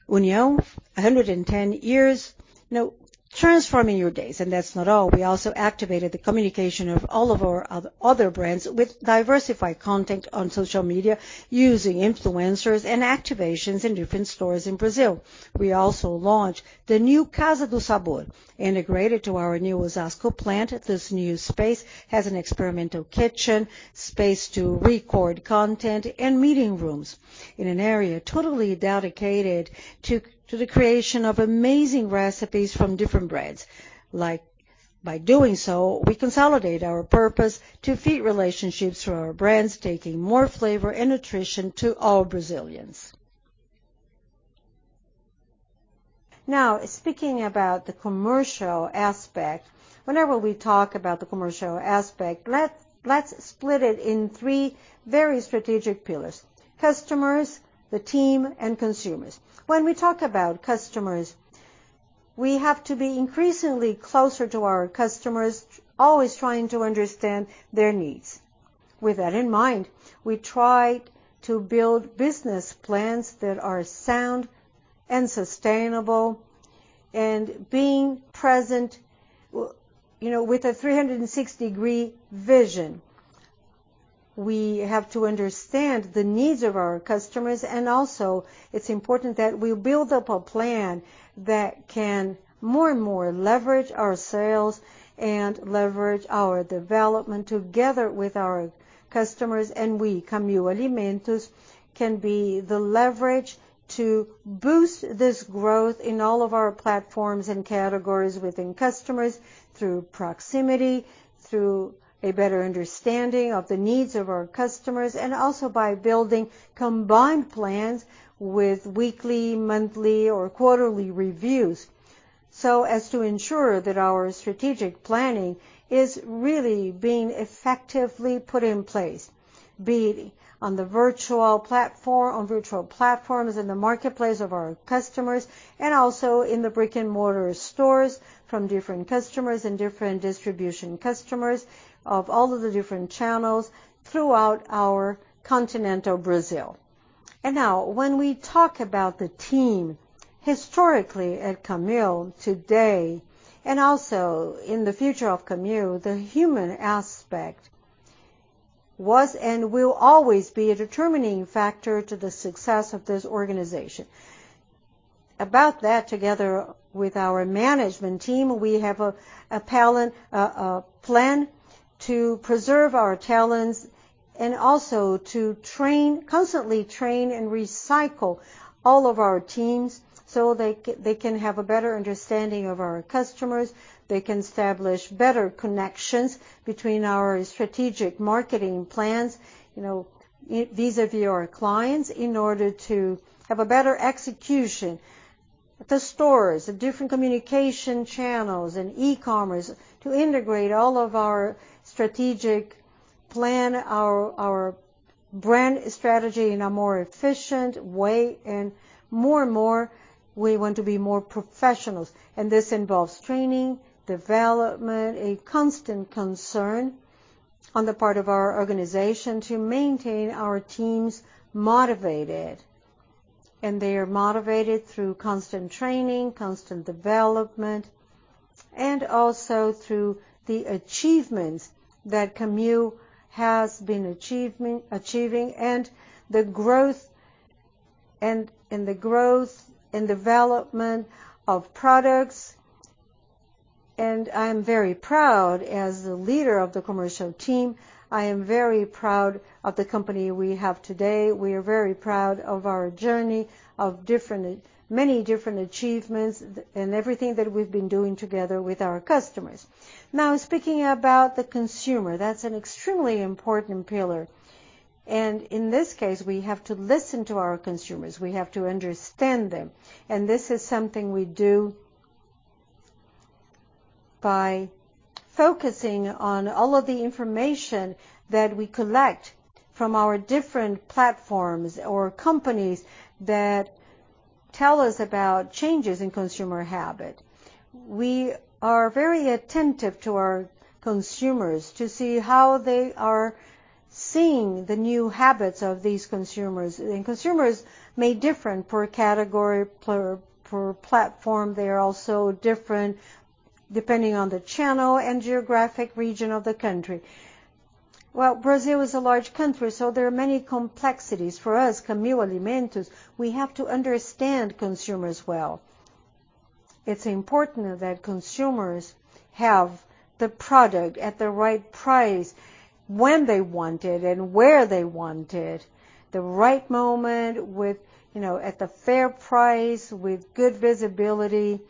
União, 110 years, you know, transforming your days. That's not all. We also activated the communication of all of our other brands with diversified content on social media using influencers and activations in different stores in Brazil. We also launched the new Casa do Sabor. Integrated to our new Osasco plant, this new space has an experimental kitchen, space to record content, and meeting rooms in an area totally dedicated to the creation of amazing recipes from different brands. Like, by doing so, we consolidate our purpose to feed relationships through our brands, taking more flavor and nutrition to all Brazilians. Now, speaking about the commercial aspect, whenever we talk about the commercial aspect, let's split it in three very strategic pillars: customers, the team, and consumers. When we talk about customers, we have to be increasingly closer to our customers, always trying to understand their needs. With that in mind, we try to build business plans that are sound and sustainable and being present, you know, with a 360-degree vision. We have to understand the needs of our customers and also it's important that we build up a plan that can more and more leverage our sales and leverage our development together with our customers. We, Camil Alimentos, can be the leverage to boost this growth in all of our platforms and categories within customers through proximity, through a better understanding of the needs of our customers, and also by building combined plans with weekly, monthly, or quarterly reviews, so as to ensure that our strategic planning is really being effectively put in place, be it on the virtual platform, on virtual platforms in the marketplace of our customers, and also in the brick-and-mortar stores from different customers and different distribution customers of all of the different channels throughout our continental Brazil. Now, when we talk about the team, historically at Camil today, and also in the future of Camil, the human aspect was and will always be a determining factor to the success of this organization. About that, together with our management team, we have a plan to preserve our talents and also to constantly train and recycle all of our teams, so they can have a better understanding of our customers, they can establish better connections between our strategic marketing plans, you know, vis-à-vis our clients in order to have a better execution. The stores, the different communication channels and e-commerce to integrate all of our strategic plan, our brand strategy in a more efficient way. More and more we want to be more professionals, and this involves training, development, a constant concern on the part of our organization to maintain our teams motivated. They are motivated through constant training, constant development, and also through the achievements that Camil has been achieving, and the growth and development of products. I'm very proud, as the leader of the commercial team, I am very proud of the company we have today. We are very proud of our journey of many different achievements and everything that we've been doing together with our customers. Now, speaking about the consumer, that's an extremely important pillar. In this case, we have to listen to our consumers. We have to understand them. This is something we do by focusing on all of the information that we collect from our different platforms or companies that tell us about changes in consumer habit. We are very attentive to our consumers to see how they are seeing the new habits of these consumers. Consumers may differ per category, per platform. They are also different depending on the channel and geographic region of the country. Well, Brazil is a large country, so there are many complexities for us, Camil Alimentos. We have to understand consumers well. It's important that consumers have the product at the right price when they want it and where they want it, the right moment with, you know, at the fair price, with good visibility.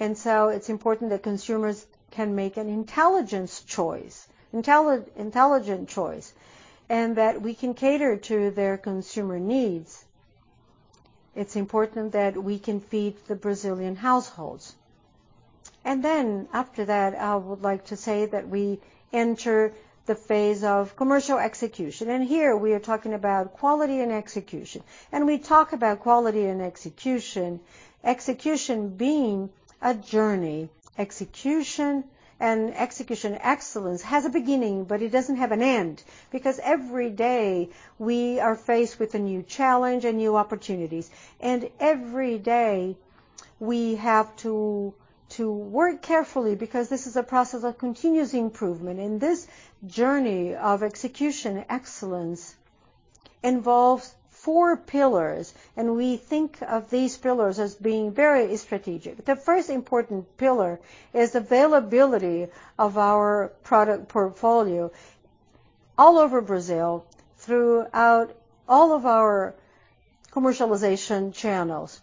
It's important that consumers can make an intelligent choice, and that we can cater to their consumer needs. It's important that we can feed the Brazilian households. After that, I would like to say that we enter the phase of commercial execution. Here we are talking about quality and execution. We talk about quality and execution being a journey. Execution and execution excellence has a beginning, but it doesn't have an end, because every day we are faced with a new challenge and new opportunities. Every day we have to work carefully because this is a process of continuous improvement. This journey of execution excellence involves four pillars, and we think of these pillars as being very strategic. The first important pillar is availability of our product portfolio all over Brazil throughout all of our commercialization channels.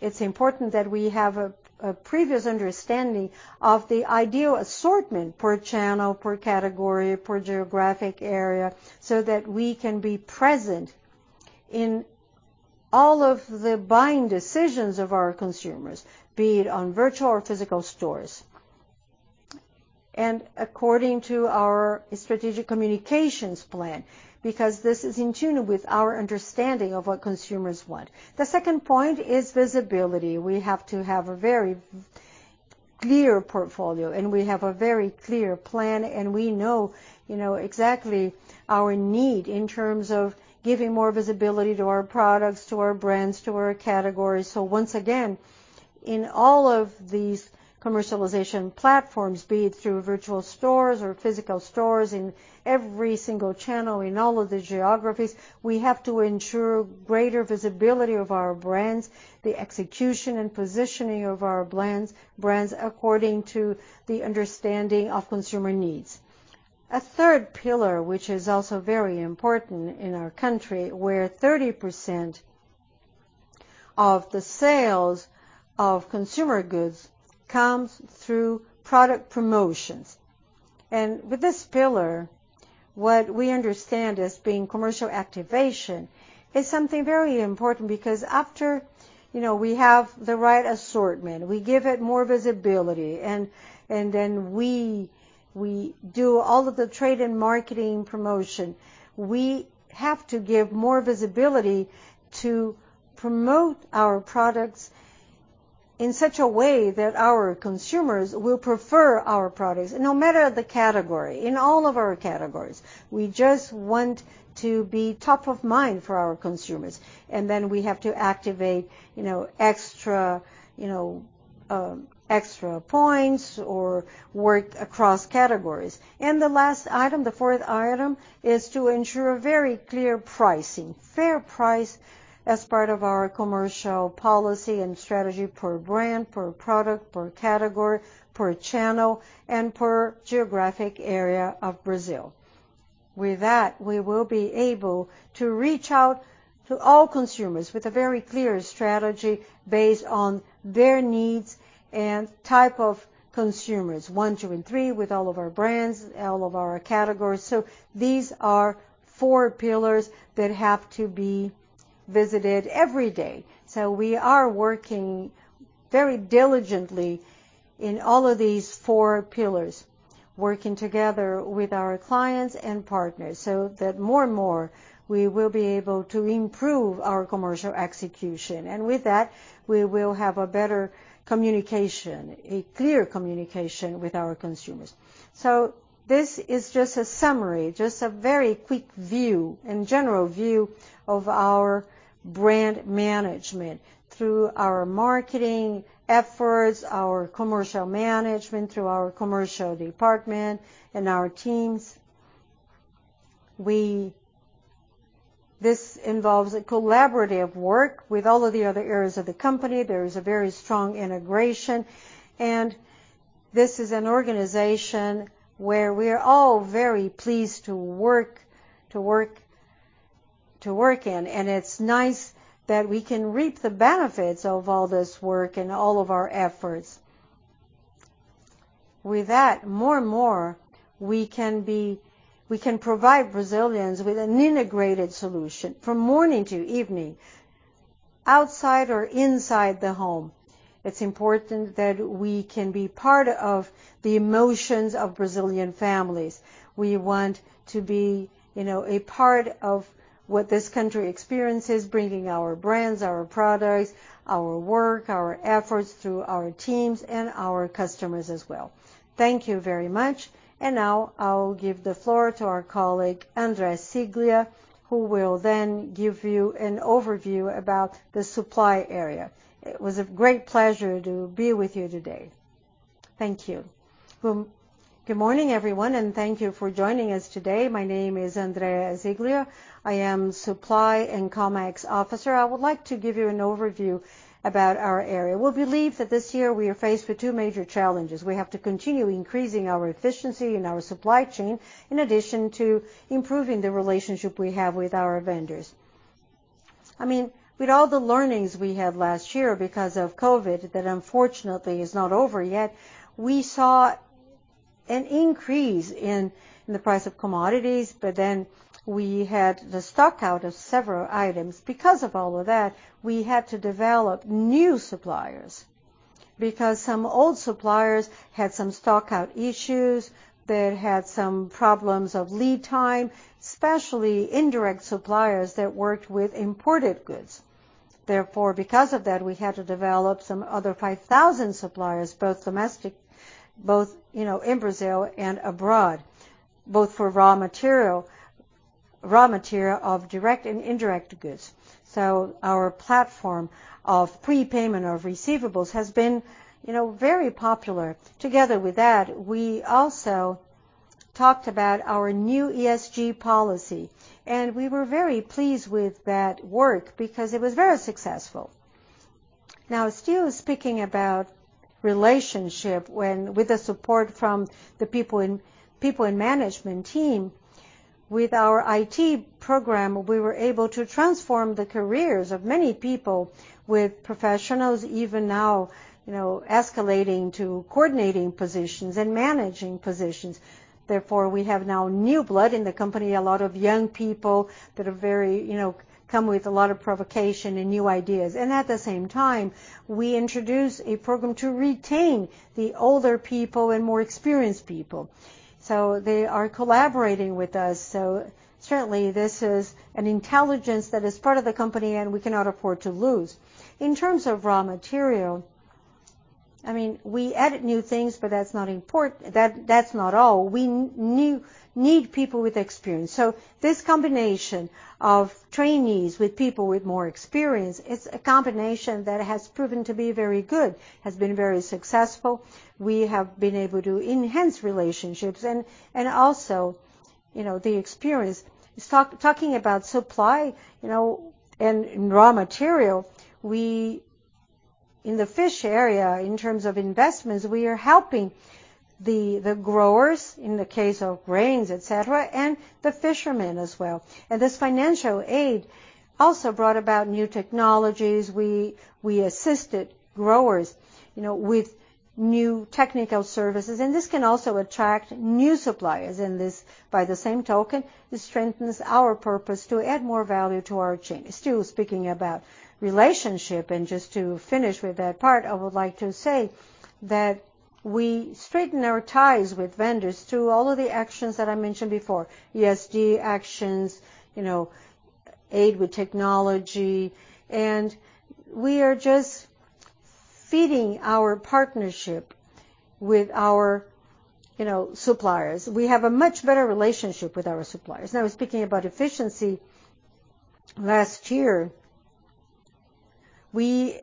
It's important that we have a previous understanding of the ideal assortment per channel, per category, per geographic area, so that we can be present in all of the buying decisions of our consumers, be it on virtual or physical stores, and according to our strategic communications plan, because this is in tune with our understanding of what consumers want. The second point is visibility. We have to have a very clear portfolio, and we have a very clear plan, and we know, you know, exactly our need in terms of giving more visibility to our products, to our brands, to our categories. Once again, in all of these commercialization platforms, be it through virtual stores or physical stores, in every single channel, in all of the geographies, we have to ensure greater visibility of our brands, the execution and positioning of our brands according to the understanding of consumer needs. A third pillar, which is also very important in our country, where 30% of the sales of consumer goods comes through product promotions. With this pillar, what we understand as being commercial activation is something very important because after, you know, we have the right assortment, we give it more visibility and then we do all of the trade and marketing promotion. We have to give more visibility to promote our products in such a way that our consumers will prefer our products. No matter the category, in all of our categories, we just want to be top of mind for our consumers. We have to activate, you know, extra points or work across categories. The last item, the fourth item, is to ensure very clear pricing, fair price. As part of our commercial policy and strategy per brand, per product, per category, per channel, and per geographic area of Brazil. With that, we will be able to reach out to all consumers with a very clear strategy based on their needs and type of consumers, one, two, and three, with all of our brands, all of our categories. These are four pillars that have to be visited every day. We are working very diligently in all of these four pillars, working together with our clients and partners so that more and more we will be able to improve our commercial execution. With that, we will have a better communication, a clear communication with our consumers. This is just a summary, just a very quick view and general view of our brand management through our marketing efforts, our commercial management, through our commercial department and our teams. This involves a collaborative work with all of the other areas of the company. There is a very strong integration, and this is an organization where we are all very pleased to work in. It's nice that we can reap the benefits of all this work and all of our efforts. With that, more and more, we can provide Brazilians with an integrated solution from morning to evening, outside or inside the home. It's important that we can be part of the emotions of Brazilian families. We want to be, you know, a part of what this country experiences, bringing our brands, our products, our work, our efforts through our teams and our customers as well. Thank you very much. Now I'll give the floor to our colleague, André Ziglia, who will then give you an overview about the supply area. It was a great pleasure to be with you today. Thank you. Boom. Good morning, everyone, and thank you for joining us today. My name is André Ziglia. I am Supply and Comex Officer. I would like to give you an overview about our area. We believe that this year we are faced with two major challenges. We have to continue increasing our efficiency in our supply chain, in addition to improving the relationship we have with our vendors. I mean, with all the learnings we had last year because of COVID, that unfortunately is not over yet, we saw an increase in the price of commodities, but then we had the stock out of several items. Because of all of that, we had to develop new suppliers because some old suppliers had some stock out issues. They had some problems of lead time, especially indirect suppliers that worked with imported goods. Therefore, because of that, we had to develop some other 5,000 suppliers, both domestic, you know, in Brazil and abroad, both for raw material of direct and indirect goods. Our platform of prepayment of receivables has been, you know, very popular. Together with that, we also talked about our new ESG policy, and we were very pleased with that work because it was very successful. Now, still speaking about relationship, with the support from the people in management team, with our IT program, we were able to transform the careers of many people with professionals even now, you know, escalating to coordinating positions and managing positions. Therefore, we have now new blood in the company, a lot of young people that are very, you know, come with a lot of innovation and new ideas. At the same time, we introduced a program to retain the older people and more experienced people. They are collaborating with us, so certainly, this is an intelligence that is part of the company and we cannot afford to lose. In terms of raw material, I mean, we added new things, but that's not all. We need people with experience. This combination of trainees with people with more experience, it's a combination that has proven to be very good, has been very successful. We have been able to enhance relationships and also, you know, the experience. Talking about supply, you know, and raw material, in the fish area, in terms of investments, we are helping the growers in the case of grains, et cetera, and the fishermen as well. This financial aid also brought about new technologies. We assisted growers, you know, with new technical services, and this can also attract new suppliers. This, by the same token, this strengthens our purpose to add more value to our chain. Still speaking about relationship, and just to finish with that part, I would like to say that we strengthen our ties with vendors through all of the actions that I mentioned before, ESG actions, you know, aid with technology, and we are just feeding our partnership with our, you know, suppliers. We have a much better relationship with our suppliers. Now speaking about efficiency, last year. We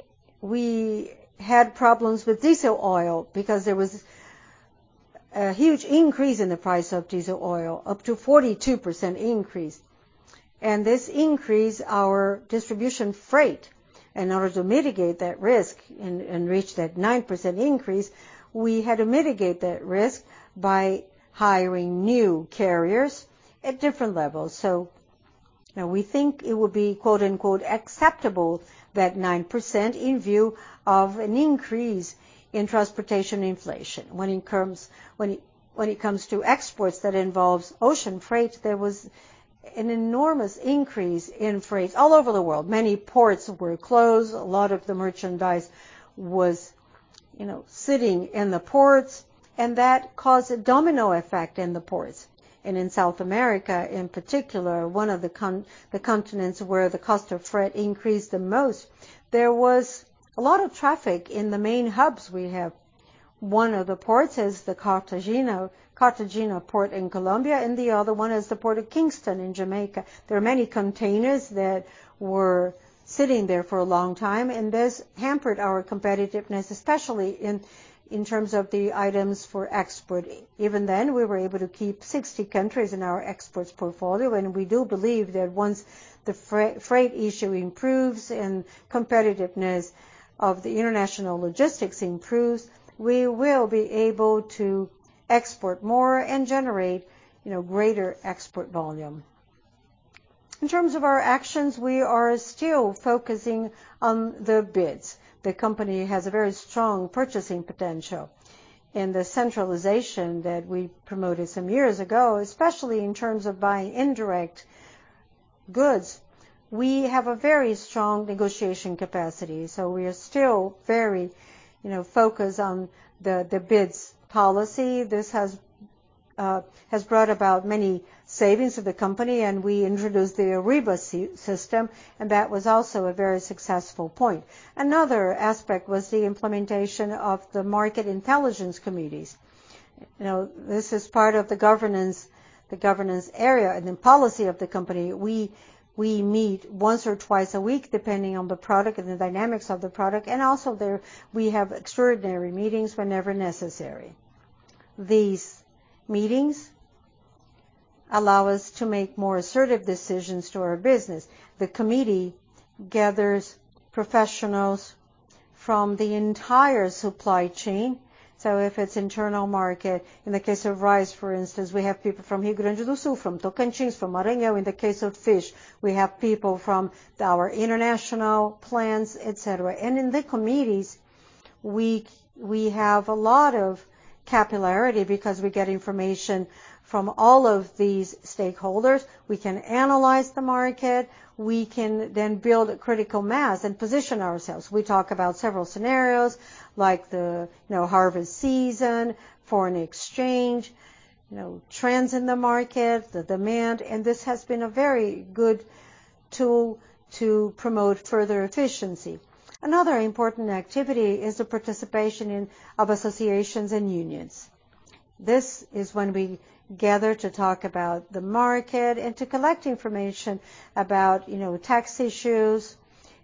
had problems with diesel oil because there was a huge increase in the price of diesel oil, up to 42% increase. This increased our distribution freight. In order to mitigate that risk and reach that 9% increase, we had to mitigate that risk by hiring new carriers at different levels. You know, we think it would be, quote, unquote, "acceptable" that 9% in view of an increase in transportation inflation. When it comes to exports that involves ocean freight, there was an enormous increase in freight all over the world. Many ports were closed, a lot of the merchandise was, you know, sitting in the ports, and that caused a domino effect in the ports. In South America, in particular, one of the continents where the cost of freight increased the most, there was a lot of traffic in the main hubs we have. One of the ports is the Cartagena port in Colombia, and the other one is the Port of Kingston in Jamaica. There are many containers that were sitting there for a long time, and this hampered our competitiveness, especially in terms of the items for export. Even then, we were able to keep 60 countries in our exports portfolio, and we do believe that once the freight issue improves and competitiveness of the international logistics improves, we will be able to export more and generate, you know, greater export volume. In terms of our actions, we are still focusing on the bids. The company has a very strong purchasing potential. In the centralization that we promoted some years ago, especially in terms of buying indirect goods, we have a very strong negotiation capacity. We are still very, you know, focused on the bids policy. This has brought about many savings to the company, and we introduced the Ariba system, and that was also a very successful point. Another aspect was the implementation of the market intelligence committees. You know, this is part of the governance, the governance area and the policy of the company. We meet once or twice a week, depending on the product and the dynamics of the product. We also have extraordinary meetings whenever necessary. These meetings allow us to make more assertive decisions to our business. The committee gathers professionals from the entire supply chain. If it's internal market, in the case of rice, for instance, we have people from Rio Grande do Sul, from Tocantins, from Maranhão. In the case of fish, we have people from our international plants, et cetera. In the committees, we have a lot of capillarity because we get information from all of these stakeholders. We can analyze the market. We can then build a critical mass and position ourselves. We talk about several scenarios like the, you know, harvest season, foreign exchange, you know, trends in the market, the demand, and this has been a very good tool to promote further efficiency. Another important activity is the participation of associations and unions. This is when we gather to talk about the market and to collect information about, you know, tax issues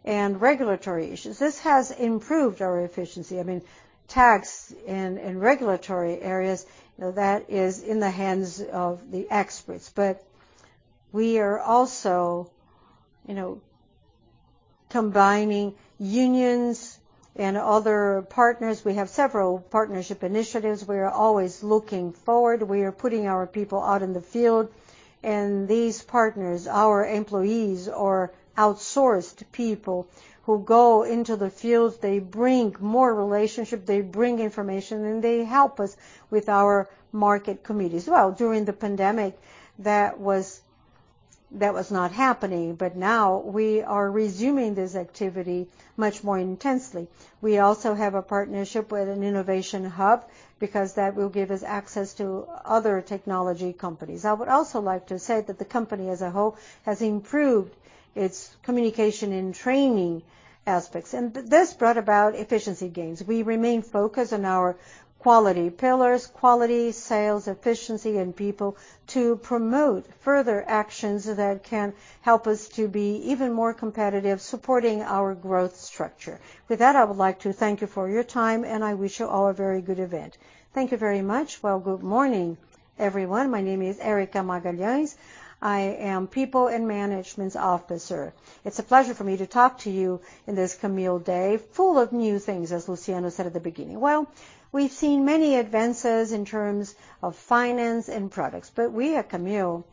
and regulatory issues. This has improved our efficiency. I mean, tax and regulatory areas, you know, that is in the hands of the experts. But we are also, you know, combining unions and other partners. We have several partnership initiatives. We are always looking forward. We are putting our people out in the field. These partners, our employees or outsourced people who go into the fields, they bring more relationship, they bring information, and they help us with our market committees. Well, during the pandemic, that was not happening, but now we are resuming this activity much more intensely. We also have a partnership with an innovation hub because that will give us access to other technology companies. I would also like to say that the company as a whole has improved its communication and training aspects, and this brought about efficiency gains. We remain focused on our quality pillars, quality, sales, efficiency, and people to promote further actions that can help us to be even more competitive, supporting our growth structure. With that, I would like to thank you for your time, and I wish you all a very good event. Thank you very much. Well, good morning, everyone. My name is Erika Magalhaes. I am People and Management Officer. It's a pleasure for me to talk to you in this Camil Day full of new things, as Luciano said at the beginning. Well, we've seen many advances in terms of finance and products, but we at Camil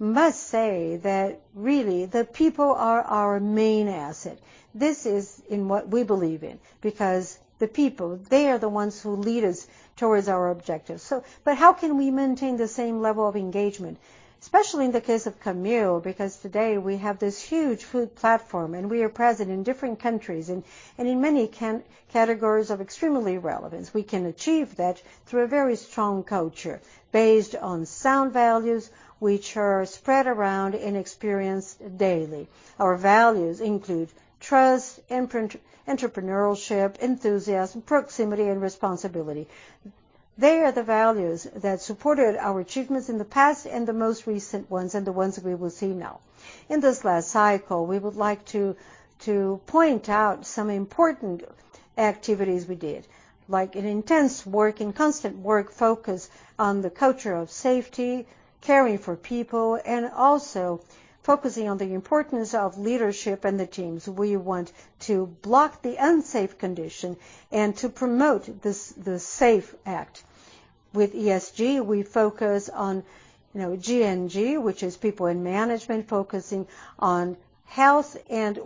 must say that really, the people are our main asset. This is in what we believe in because the people, they are the ones who lead us towards our objectives. How can we maintain the same level of engagement, especially in the case of Camil, because today we have this huge food platform, and we are present in different countries and in many categories of extreme relevance. We can achieve that through a very strong culture based on sound values which are spread around and experienced daily. Our values include trust, entrepreneurship, enthusiasm, proximity and responsibility. They are the values that supported our achievements in the past and the most recent ones and the ones we will see now. In this last cycle, we would like to point out some important activities we did, like an intense work and constant work focus on the culture of safety, caring for people, and also focusing on the importance of leadership and the teams. We want to block the unsafe condition and to promote the safe act. With ESG, we focus on, you know, G&G, which is people in management, focusing on health and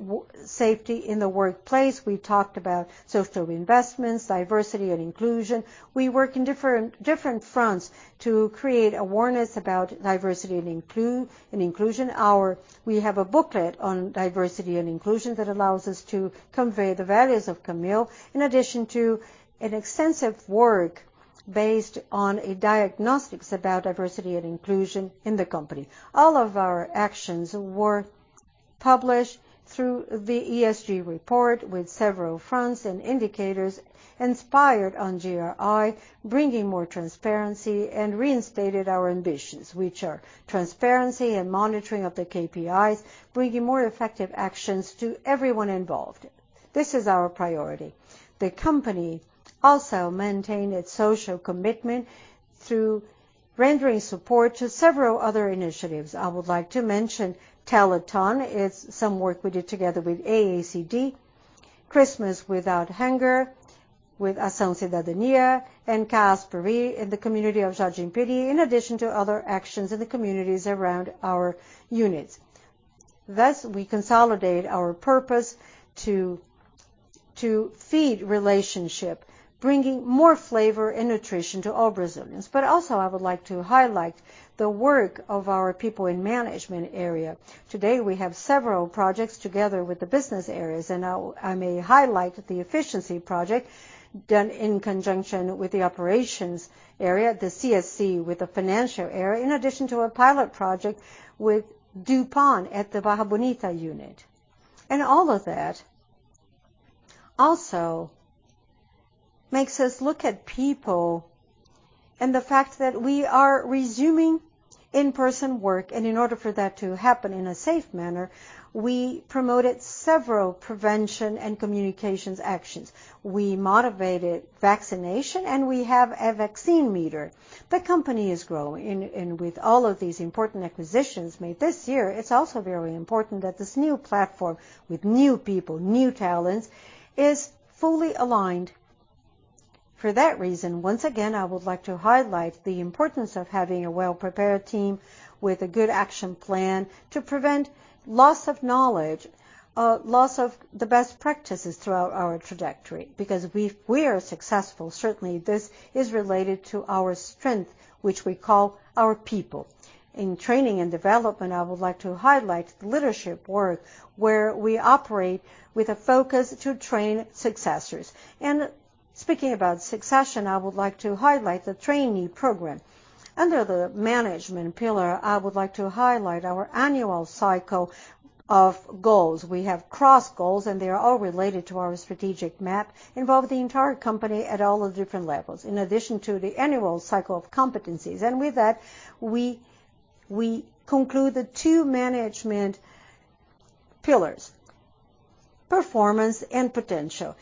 safety in the workplace. We talked about social investments, diversity and inclusion. We work in different fronts to create awareness about diversity and inclusion. We have a booklet on diversity and inclusion that allows us to convey the values of Camil, in addition to an extensive work based on a diagnosis about diversity and inclusion in the company. All of our actions were published through the ESG report with several fronts and indicators inspired on GRI, bringing more transparency and reinstated our ambitions, which are transparency and monitoring of the KPIs, bringing more effective actions to everyone involved. This is our priority. The company also maintained its social commitment through rendering support to several other initiatives. I would like to mention Teleton. It's some work we did together with AACD, Christmas Without Hunger with Ação da Cidadania, and CASVI in the community of Jaraguá Pirituba, in addition to other actions in the communities around our units. Thus, we consolidate our purpose to feed relationship, bringing more flavor and nutrition to all Brazilians. I would like to highlight the work of our people in management area. Today, we have several projects together with the business areas, and I may highlight the efficiency project done in conjunction with the operations area, the CSC with the financial area, in addition to a pilot project with DuPont at the Barra Bonita unit. All of that also makes us look at people and the fact that we are resuming in-person work. In order for that to happen in a safe manner, we promoted several prevention and communications actions. We motivated vaccination, and we have a vaccine meter. The company is growing, and with all of these important acquisitions made this year, it's also very important that this new platform with new people, new talents, is fully aligned. For that reason, once again, I would like to highlight the importance of having a well-prepared team with a good action plan to prevent loss of knowledge, loss of the best practices throughout our trajectory. Because we are successful, certainly this is related to our strength, which we call our people. In training and development, I would like to highlight leadership work, where we operate with a focus to train successors. Speaking about succession, I would like to highlight the trainee program. Under the management pillar, I would like to highlight our annual cycle of goals. We have cross-goals, and they are all related to our strategic map, involving the entire company at all the different levels, in addition to the annual cycle of competencies. With that, we conclude the two management pillars, performance and potential.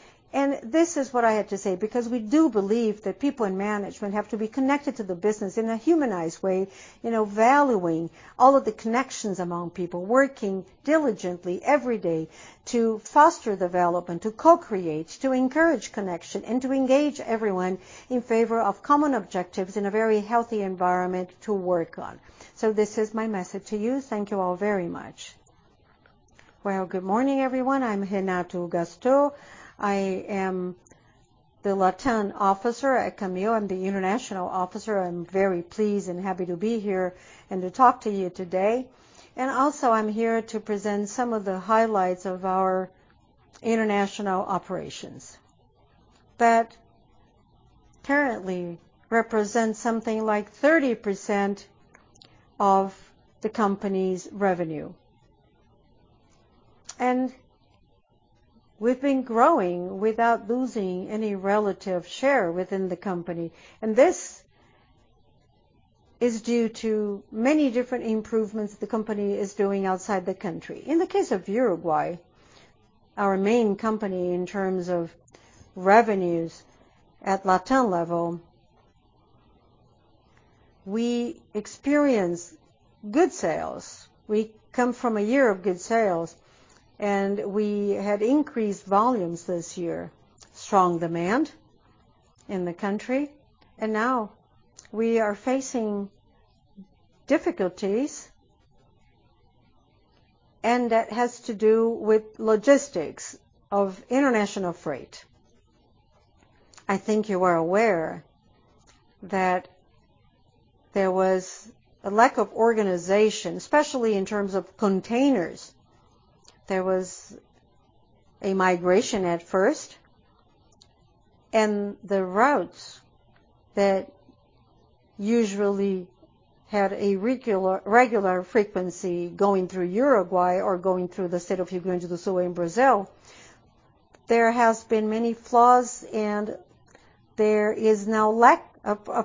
This is what I have to say, because we do believe that people in management have to be connected to the business in a humanized way, you know, valuing all of the connections among people, working diligently every day to foster development, to co-create, to encourage connection, and to engage everyone in favor of common objectives in a very healthy environment to work on. So this is my message to you. Thank you all very much. Well, good morning, everyone. I'm Renato Gastaud. I am the LatAm Officer at Camil. I'm the International Officer. I'm very pleased and happy to be here and to talk to you today. Also, I'm here to present some of the highlights of our international operations that currently represent something like 30% of the company's revenue. We've been growing without losing any relative share within the company, and this is due to many different improvements the company is doing outside the country. In the case of Uruguay, our main company in terms of revenues at LatAm level, we experienced good sales. We come from a year of good sales, and we had increased volumes this year, strong demand in the country, and now we are facing difficulties, and that has to do with logistics of international freight. I think you are aware that there was a lack of organization, especially in terms of containers. There was a migration at first. The routes that usually have a regular frequency going through Uruguay or going through the state of Rio Grande do Sul in Brazil, there has been many flaws and there is now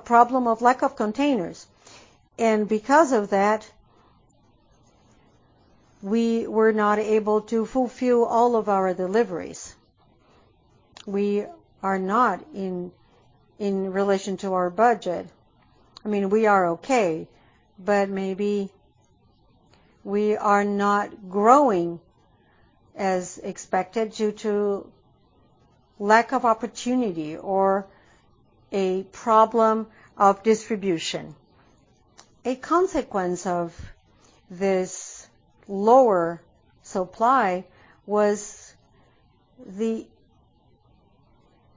a problem of lack of containers. Because of that, we were not able to fulfill all of our deliveries. We are not in relation to our budget. I mean, we are okay, but maybe we are not growing as expected due to lack of opportunity or a problem of distribution. A consequence of this lower supply was the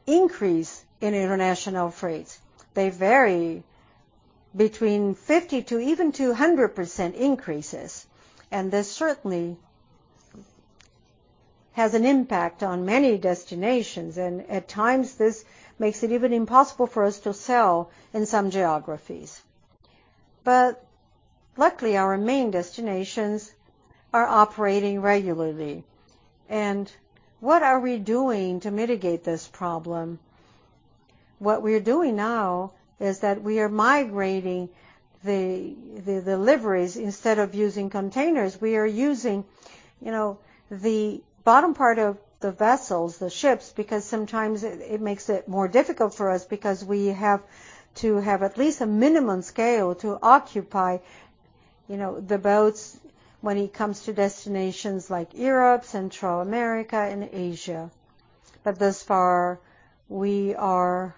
increase in international freight. They vary between 50% to even 200% increases, and this certainly has an impact on many destinations, and at times, this makes it even impossible for us to sell in some geographies. Luckily, our main destinations are operating regularly. What are we doing to mitigate this problem? What we're doing now is that we are migrating the deliveries. Instead of using containers, we are using, you know, the bottom part of the vessels, the ships, because sometimes it makes it more difficult for us because we have to have at least a minimum scale to occupy, you know, the boats when it comes to destinations like Europe, Central America and Asia. Thus far, we are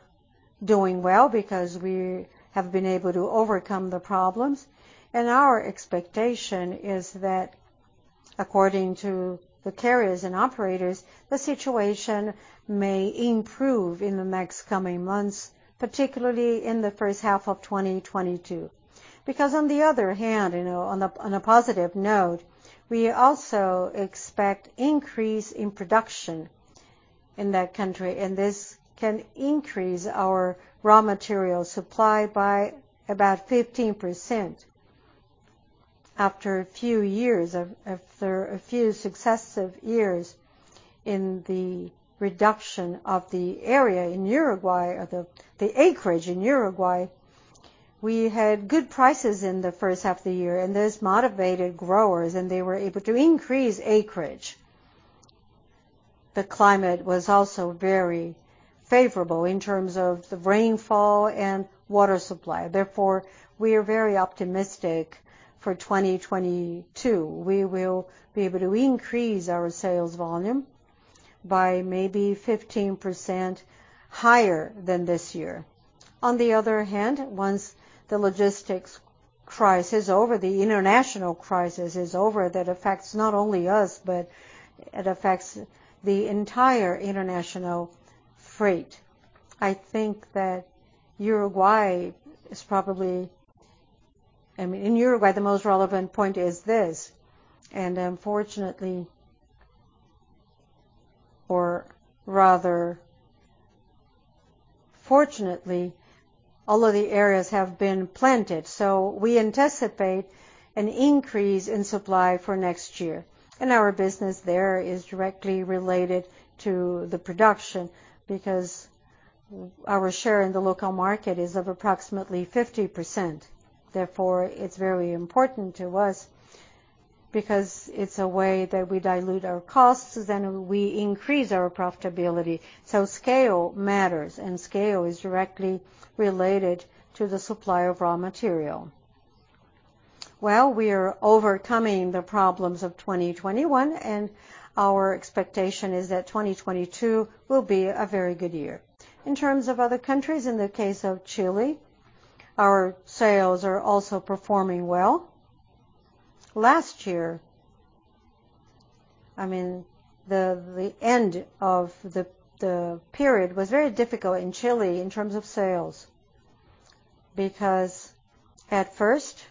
doing well because we have been able to overcome the problems. Our expectation is that according to the carriers and operators, the situation may improve in the next coming months, particularly in the first half of 2022. Because on the other hand, you know, on a positive note, we also expect increase in production in that country, and this can increase our raw material supply by about 15%. After a few successive years in the reduction of the area in Uruguay or the acreage in Uruguay, we had good prices in the first half of the year, and this motivated growers, and they were able to increase acreage. The climate was also very favorable in terms of the rainfall and water supply. Therefore, we are very optimistic for 2022. We will be able to increase our sales volume by maybe 15% higher than this year. On the other hand, once the logistics crisis is over, the international crisis is over, that affects not only us, but it affects the entire international freight. I think that Uruguay is probably, I mean, in Uruguay, the most relevant point is this. Unfortunately or rather fortunately, all of the areas have been planted. We anticipate an increase in supply for next year. Our business there is directly related to the production because our share in the local market is of approximately 50%. Therefore, it's very important to us because it's a way that we dilute our costs, then we increase our profitability. Scale matters, and scale is directly related to the supply of raw material. Well, we are overcoming the problems of 2021, and our expectation is that 2022 will be a very good year. In terms of other countries, in the case of Chile, our sales are also performing well. Last year, I mean, the end of the period was very difficult in Chile in terms of sales, because at first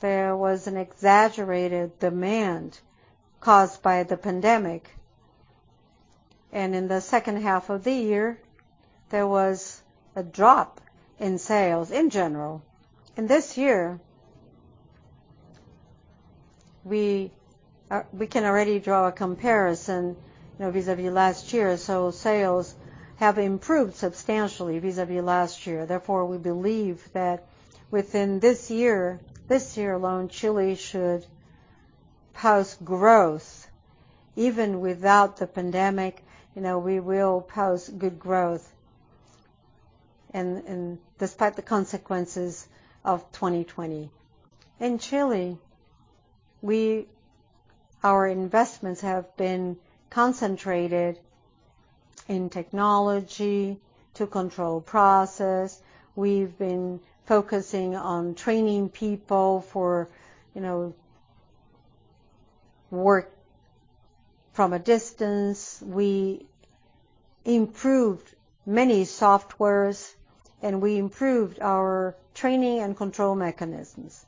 there was an exaggerated demand caused by the pandemic. In the second half of the year, there was a drop in sales in general. In this year, we can already draw a comparison, you know, vis-à-vis last year. Sales have improved substantially vis-à-vis last year. Therefore, we believe that within this year, this year alone, Chile should post growth. Even without the pandemic, you know, we will post good growth and despite the consequences of 2020. In Chile, our investments have been concentrated in technology to control process. We've been focusing on training people for, you know, work from a distance. We improved many software, and we improved our training and control mechanisms.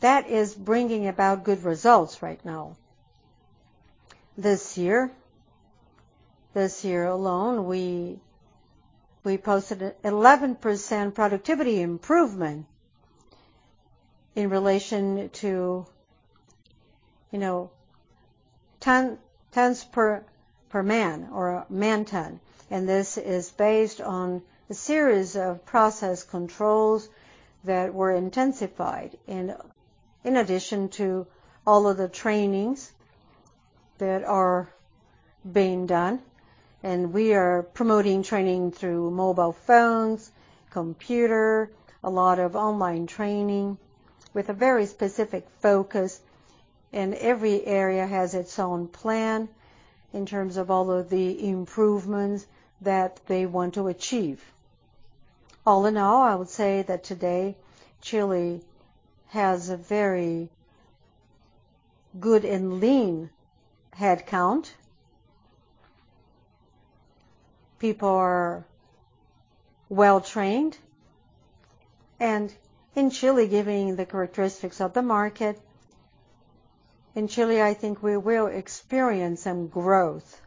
That is bringing about good results right now. This year, this year alone, we posted 11% productivity improvement in relation to, you know, tons per man or man ton. This is based on a series of process controls that were intensified in addition to all of the trainings that are being done. We are promoting training through mobile phones, computer, a lot of online training with a very specific focus. Every area has its own plan in terms of all of the improvements that they want to achieve. All in all, I would say that today, Chile has a very good and lean headcount. People are well trained. In Chile, given the characteristics of the market, I think we will experience some growth,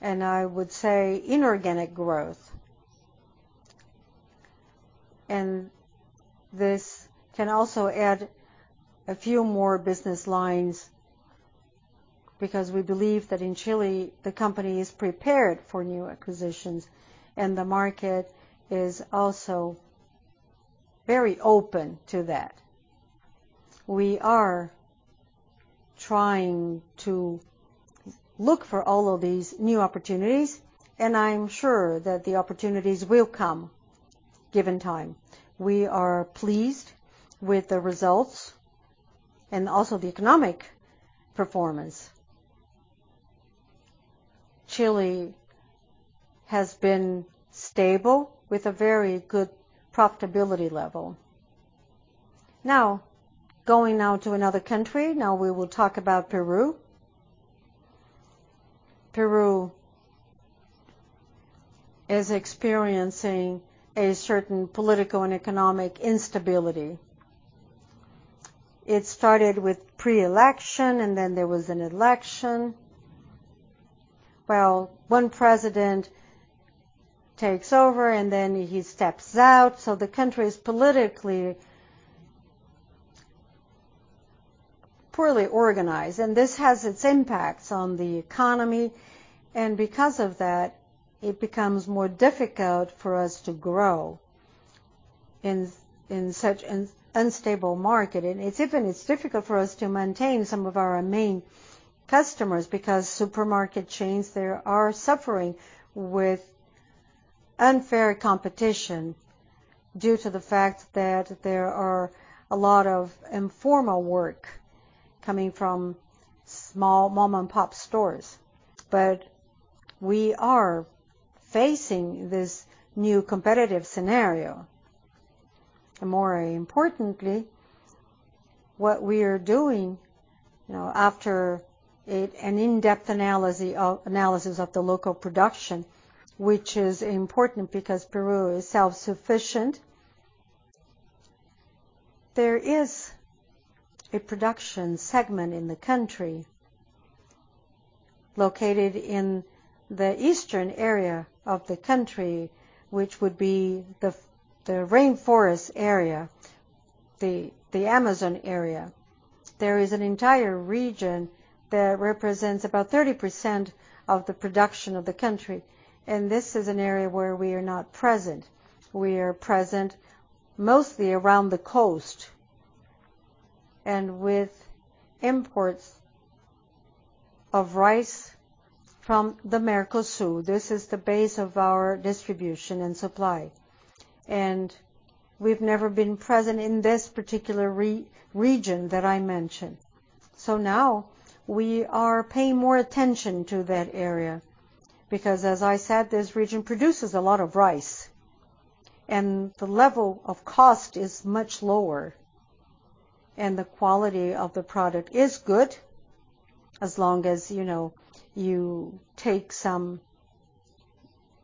and I would say inorganic growth. This can also add a few more business lines because we believe that in Chile, the company is prepared for new acquisitions, and the market is also very open to that. We are trying to look for all of these new opportunities, and I'm sure that the opportunities will come, given time. We are pleased with the results and also the economic performance. Chile has been stable with a very good profitability level. Now, going to another country, we will talk about Peru. Peru is experiencing a certain political and economic instability. It started with pre-election, and then there was an election. Well, one president takes over, and then he steps out. The country is politically poorly organized, and this has its impacts on the economy. Because of that, it becomes more difficult for us to grow in such an unstable market. It's even more difficult for us to maintain some of our main customers because supermarket chains there are suffering with unfair competition due to the fact that there are a lot of informal workforce coming from small mom-and-pop stores. We are facing this new competitive scenario. More importantly, what we are doing, you know, after an in-depth analysis of the local production, which is important because Peru is self-sufficient. There is a production segment in the country located in the eastern area of the country, which would be the rainforest area, the Amazon area. There is an entire region that represents about 30% of the production of the country, and this is an area where we are not present. We are present mostly around the coast and with imports of rice from the Mercosul. This is the base of our distribution and supply, and we've never been present in this particular region that I mentioned. Now we are paying more attention to that area because, as I said, this region produces a lot of rice, and the level of cost is much lower, and the quality of the product is good as long as, you know, you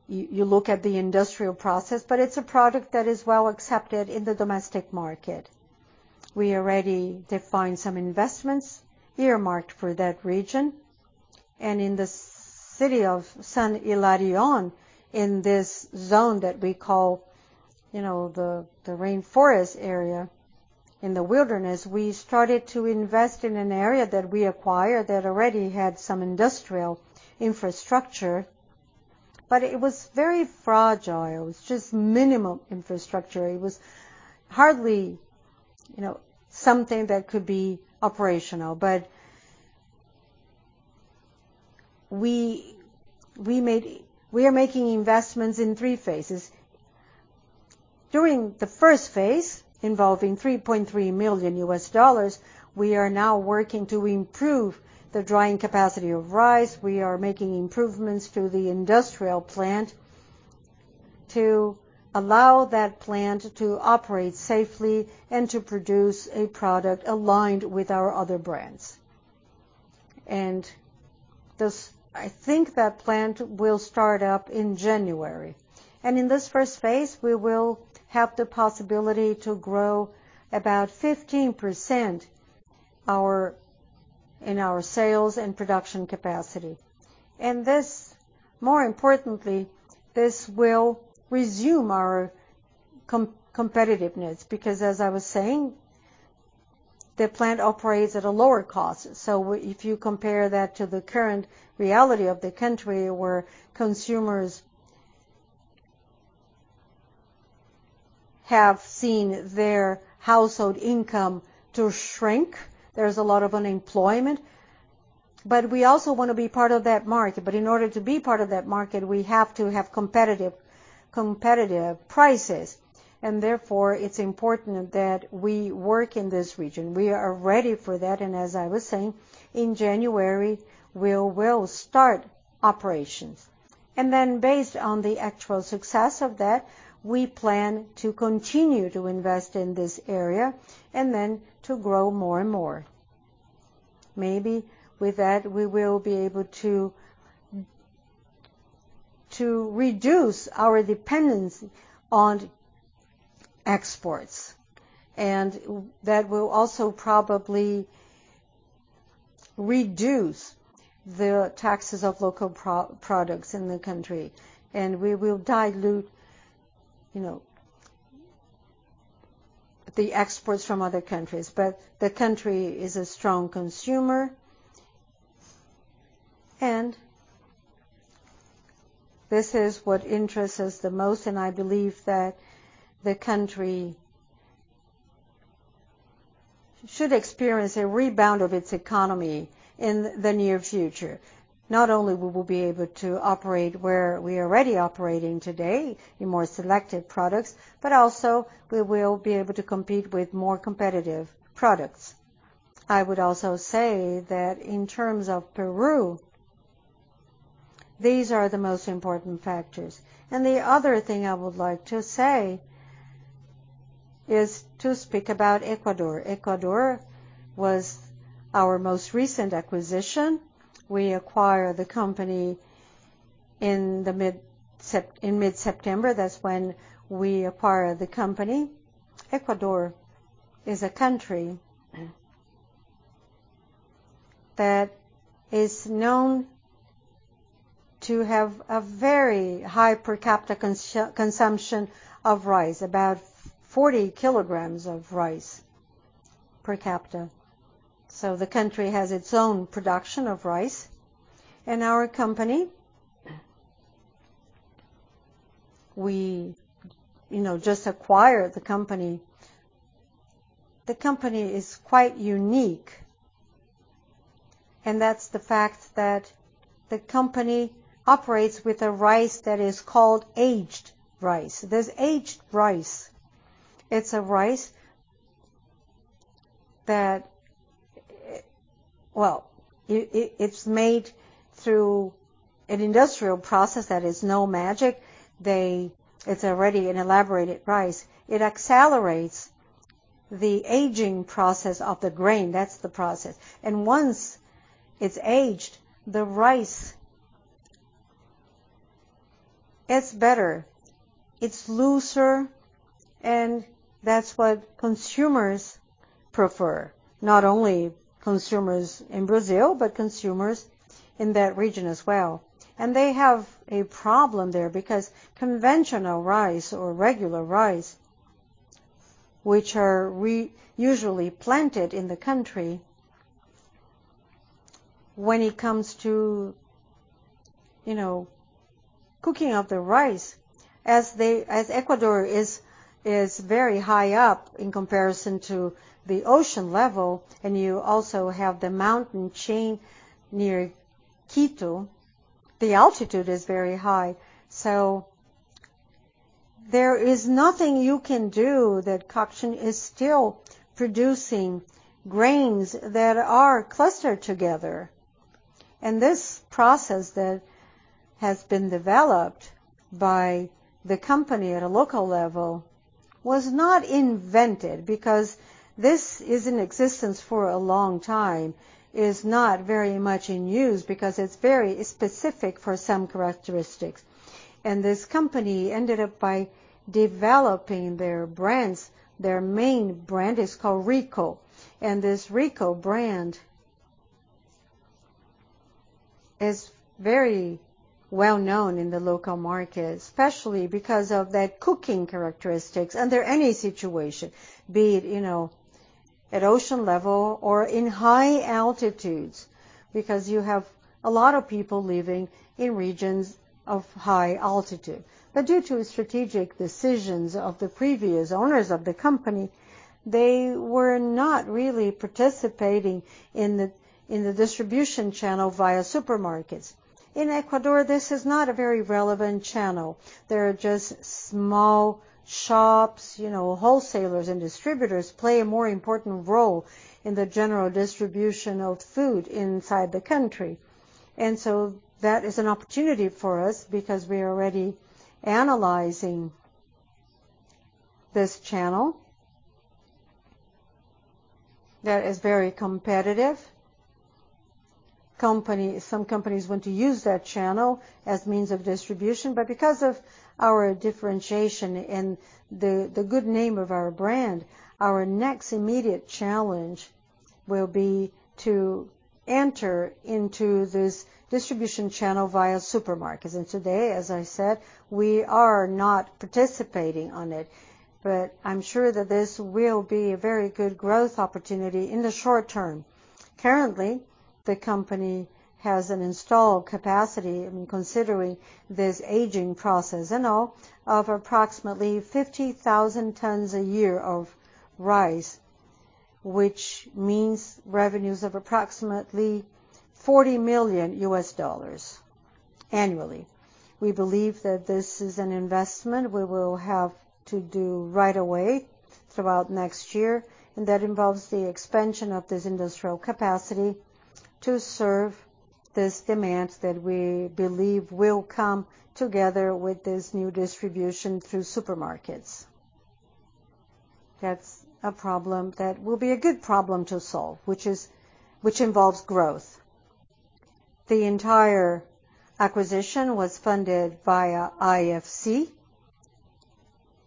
look at the industrial process, but it's a product that is well accepted in the domestic market. We already defined some investments earmarked for that region. In the city of San Hilarión, in this zone that we call, you know, the rainforest area in the wilderness, we started to invest in an area that we acquired that already had some industrial infrastructure, but it was very fragile. It was just minimal infrastructure. It was hardly, you know, something that could be operational. We are making investments in three phases. During the first phase, involving $3.3 million, we are now working to improve the drying capacity of rice. We are making improvements to the industrial plant to allow that plant to operate safely and to produce a product aligned with our other brands. I think that plant will start up in January. In this first phase, we will have the possibility to grow about 15% our, in our sales and production capacity. This more importantly will resume our competitiveness because as I was saying, the plant operates at a lower cost. If you compare that to the current reality of the country where consumers have seen their household income to shrink, there's a lot of unemployment. We also wanna be part of that market. In order to be part of that market, we have to have competitive prices. Therefore, it's important that we work in this region. We are ready for that, and as I was saying, in January, we will start operations. Then based on the actual success of that, we plan to continue to invest in this area and then to grow more and more. Maybe with that, we will be able to reduce our dependence on exports. That will also probably reduce the taxes of local produced products in the country. We will dilute, you know, the exports from other countries. The country is a strong consumer, and this is what interests us the most, and I believe that the country should experience a rebound of its economy in the near future. Not only we will be able to operate where we're already operating today in more selected products, but also we will be able to compete with more competitive products. I would also say that in terms of Peru, these are the most important factors. The other thing I would like to say is to speak about Ecuador. Ecuador was our most recent acquisition. We acquired the company in mid-September. That's when we acquired the company. Ecuador is a country that is known to have a very high per capita consumption of rice, about 40 kg of rice per capita. So the country has its own production of rice. Our company, we, you know, just acquired the company. The company is quite unique, and that's the fact that the company operates with a rice that is called aged rice. There's aged rice. Well, it's made through an industrial process that is no magic. It's already an elaborated rice. It accelerates the aging process of the grain. That's the process. Once it's aged, the rice. It's better, it's looser, and that's what consumers prefer, not only consumers in Brazil, but consumers in that region as well. They have a problem there because conventional rice or regular rice, which are usually planted in the country, when it comes to, you know, cooking up the rice, as Ecuador is very high up in comparison to the sea level, and you also have the mountain chain near Quito, the altitude is very high. So there is nothing you can do. The plantation is still producing grains that are clustered together. This process that has been developed by the company at a local level was not invented because this is in existence for a long time. It's not very much in use because it's very specific for some characteristics. This company ended up by developing their brands. Their main brand is called Rico. This Rico brand is very well-known in the local market, especially because of the cooking characteristics under any situation, be it, you know, at sea level or in high altitudes, because you have a lot of people living in regions of high altitude. Due to strategic decisions of the previous owners of the company, they were not really participating in the distribution channel via supermarkets. In Ecuador, this is not a very relevant channel. There are just small shops. You know, wholesalers and distributors play a more important role in the general distribution of food inside the country. That is an opportunity for us because we are already analyzing this channel that is very competitive. Some companies want to use that channel as means of distribution, but because of our differentiation and the good name of our brand, our next immediate challenge will be to enter into this distribution channel via supermarkets. Today, as I said, we are not participating on it, but I'm sure that this will be a very good growth opportunity in the short term. Currently, the company has an installed capacity, and considering this aging process and all, of approximately 50,000 tons a year of rice, which means revenues of approximately $40 million annually. We believe that this is an investment we will have to do right away throughout next year, and that involves the expansion of this industrial capacity to serve this demand that we believe will come together with this new distribution through supermarkets. That's a problem that will be a good problem to solve, which involves growth. The entire acquisition was funded via IFC.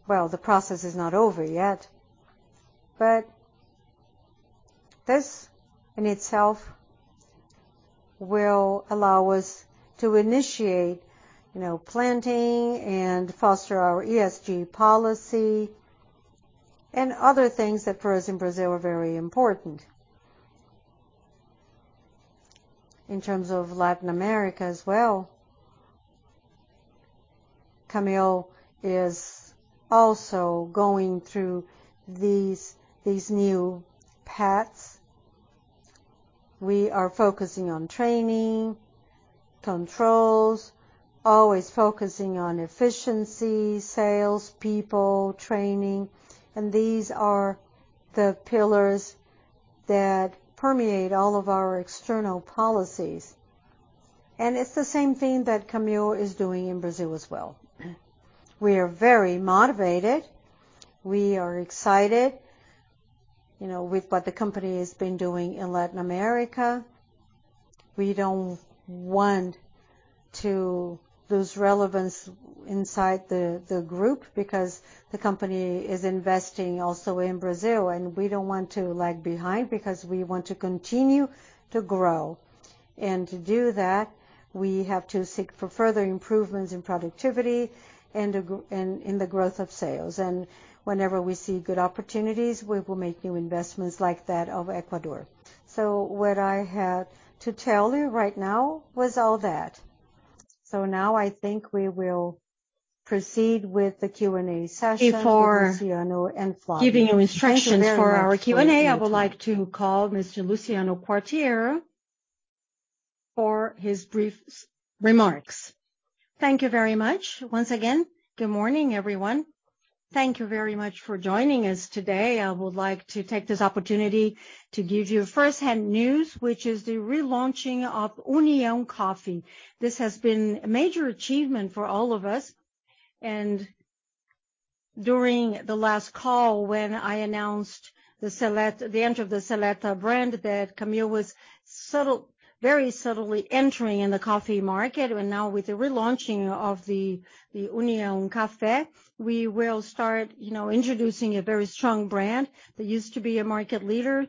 Well, the process is not over yet, but this in itself will allow us to initiate, you know, planting and foster our ESG policy and other things that for us in Brazil are very important. In terms of Latin America as well, Camil is also going through these new paths. We are focusing on training, controls, always focusing on efficiency, sales, people, training, and these are the pillars that permeate all of our external policies. It's the same thing that Camil is doing in Brazil as well. We are very motivated. We are excited, you know, with what the company has been doing in Latin America. We don't want to lose relevance inside the group because the company is investing also in Brazil, and we don't want to lag behind because we want to continue to grow. To do that, we have to seek for further improvements in productivity and in the growth of sales. Whenever we see good opportunities, we will make new investments like that of Ecuador. What I had to tell you right now was all that. Now I think we will proceed with the Q&A session for Luciano and Flavio. Thank you very much for your attention. Before giving instructions for our Q&A, I would like to call Mr. Luciano Quartiero for his brief remarks. Thank you very much. Once again, good morning, everyone. Thank you very much for joining us today. I would like to take this opportunity to give you first hand news, which is the relaunching of União Coffee. This has been a major achievement for all of us. During the last call when I announced the entry of the Seleto brand that Camil was very subtly entering in the coffee market. Now with the relaunching of the União Coffee, we will start, you know, introducing a very strong brand that used to be a market leader.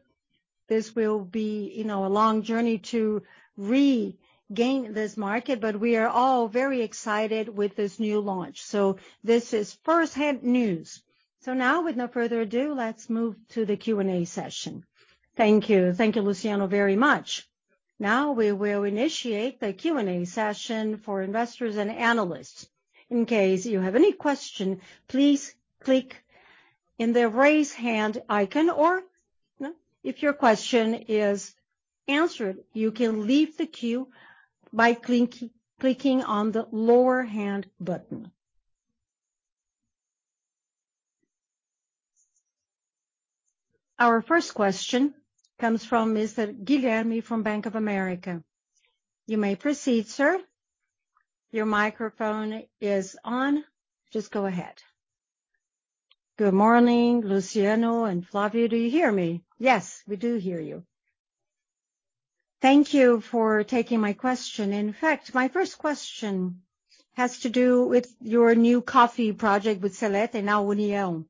This will be, you know, a long journey to regain this market, but we are all very excited with this new launch. This is first hand news. Now with no further ado, let's move to the Q&A session. Thank you. Thank you, Luciano, very much. Now we will initiate the Q&A session for investors and analysts. In case you have any question, please click in the Raise Hand icon. Or, if your question is answered, you can leave the queue by clicking on the lower hand button. Our first question comes from Mr. Guilherme from Bank of America. You may proceed, sir. Your microphone is on. Just go ahead. Good morning, Luciano and Flavio. Do you hear me? Yes, we do hear you. Thank you for taking my question. In fact, my first question has to do with your new coffee project with Seleto, and now União.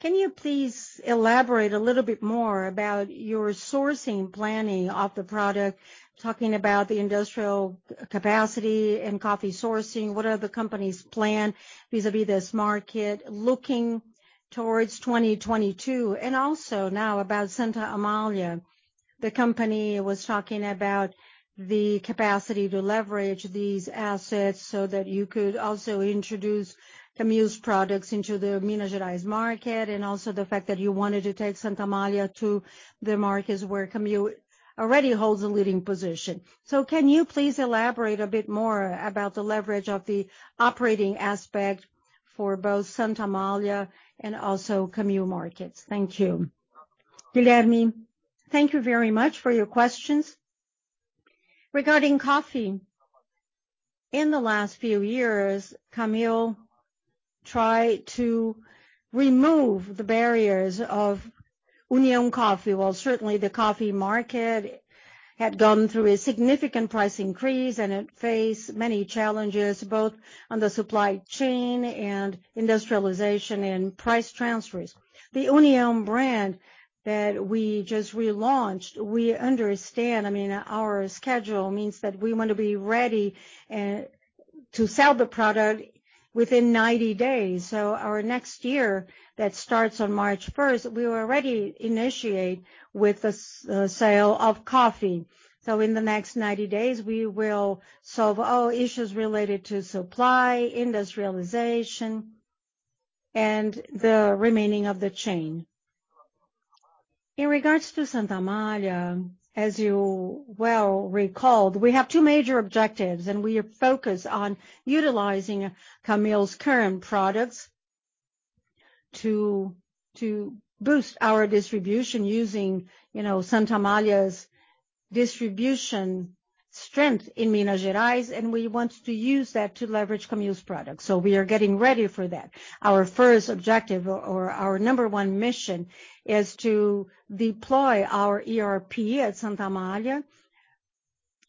Can you please elaborate a little bit more about your sourcing planning of the product, talking about the industrial capacity and coffee sourcing? What are the company's plan vis-à-vis this market looking towards 2022? And also now about Santa Amália. The company was talking about the capacity to leverage these assets so that you could also introduce Camil's products into the Minas Gerais market and also the fact that you wanted to take Santa Amália to the markets where Camil already holds a leading position. Can you please elaborate a bit more about the leverage of the operating aspect for both Santa Amália and also Camil markets? Thank you. Guilherme, thank you very much for your questions. Regarding coffee, in the last few years, Camil tried to remove the barriers of União Coffee, while certainly the coffee market had gone through a significant price increase, and it faced many challenges, both on the supply chain and industrialization and price transfers. The União brand that we just relaunched, we understand, I mean, our schedule means that we want to be ready to sell the product within 90 days. Our next year that starts on March first, we will already initiate with the sale of coffee. In the next 90 days, we will solve all issues related to supply, industrialization, and the remaining of the chain. In regards to Santa Amália, as you well recalled, we have two major objectives, and we are focused on utilizing Camil's current products to boost our distribution using, you know, Santa Amália's distribution strength in Minas Gerais, and we want to use that to leverage Camil's products. We are getting ready for that. Our first objective or our number one mission is to deploy our ERP at Santa Amália.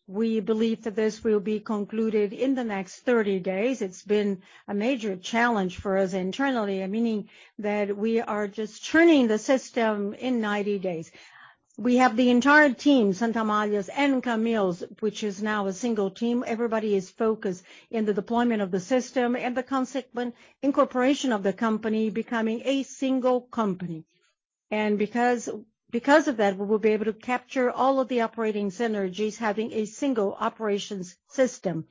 We believe that this will be concluded in the next 30 days. It's been a major challenge for us internally, meaning that we are just turning the system in 90 days. We have the entire team, Santa Amália's and Camil's, which is now a single team. Everybody is focused on the deployment of the system and the consequent incorporation of the company becoming a single company. Because of that, we will be able to capture all of the operating synergies having a single operations system.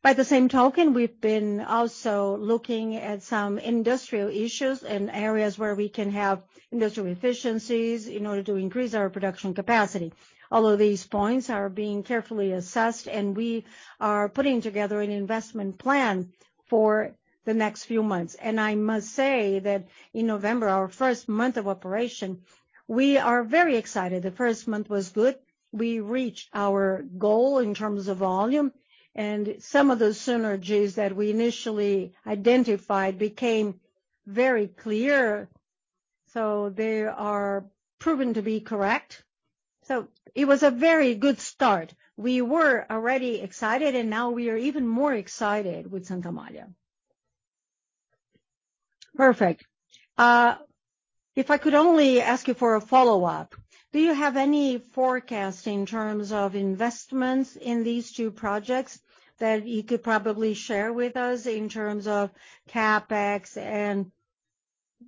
By the same token, we've been also looking at some industrial issues and areas where we can have industrial efficiencies in order to increase our production capacity. All of these points are being carefully assessed, and we are putting together an investment plan for the next few months. I must say that in November, our first month of operation, we are very excited. The first month was good. We reached our goal in terms of volume, and some of those synergies that we initially identified became very clear. They are proven to be correct. It was a very good start. We were already excited, and now we are even more excited with Santa Amália. Perfect. If I could only ask you for a follow-up. Do you have any forecast in terms of investments in these two projects that you could probably share with us in terms of CapEx and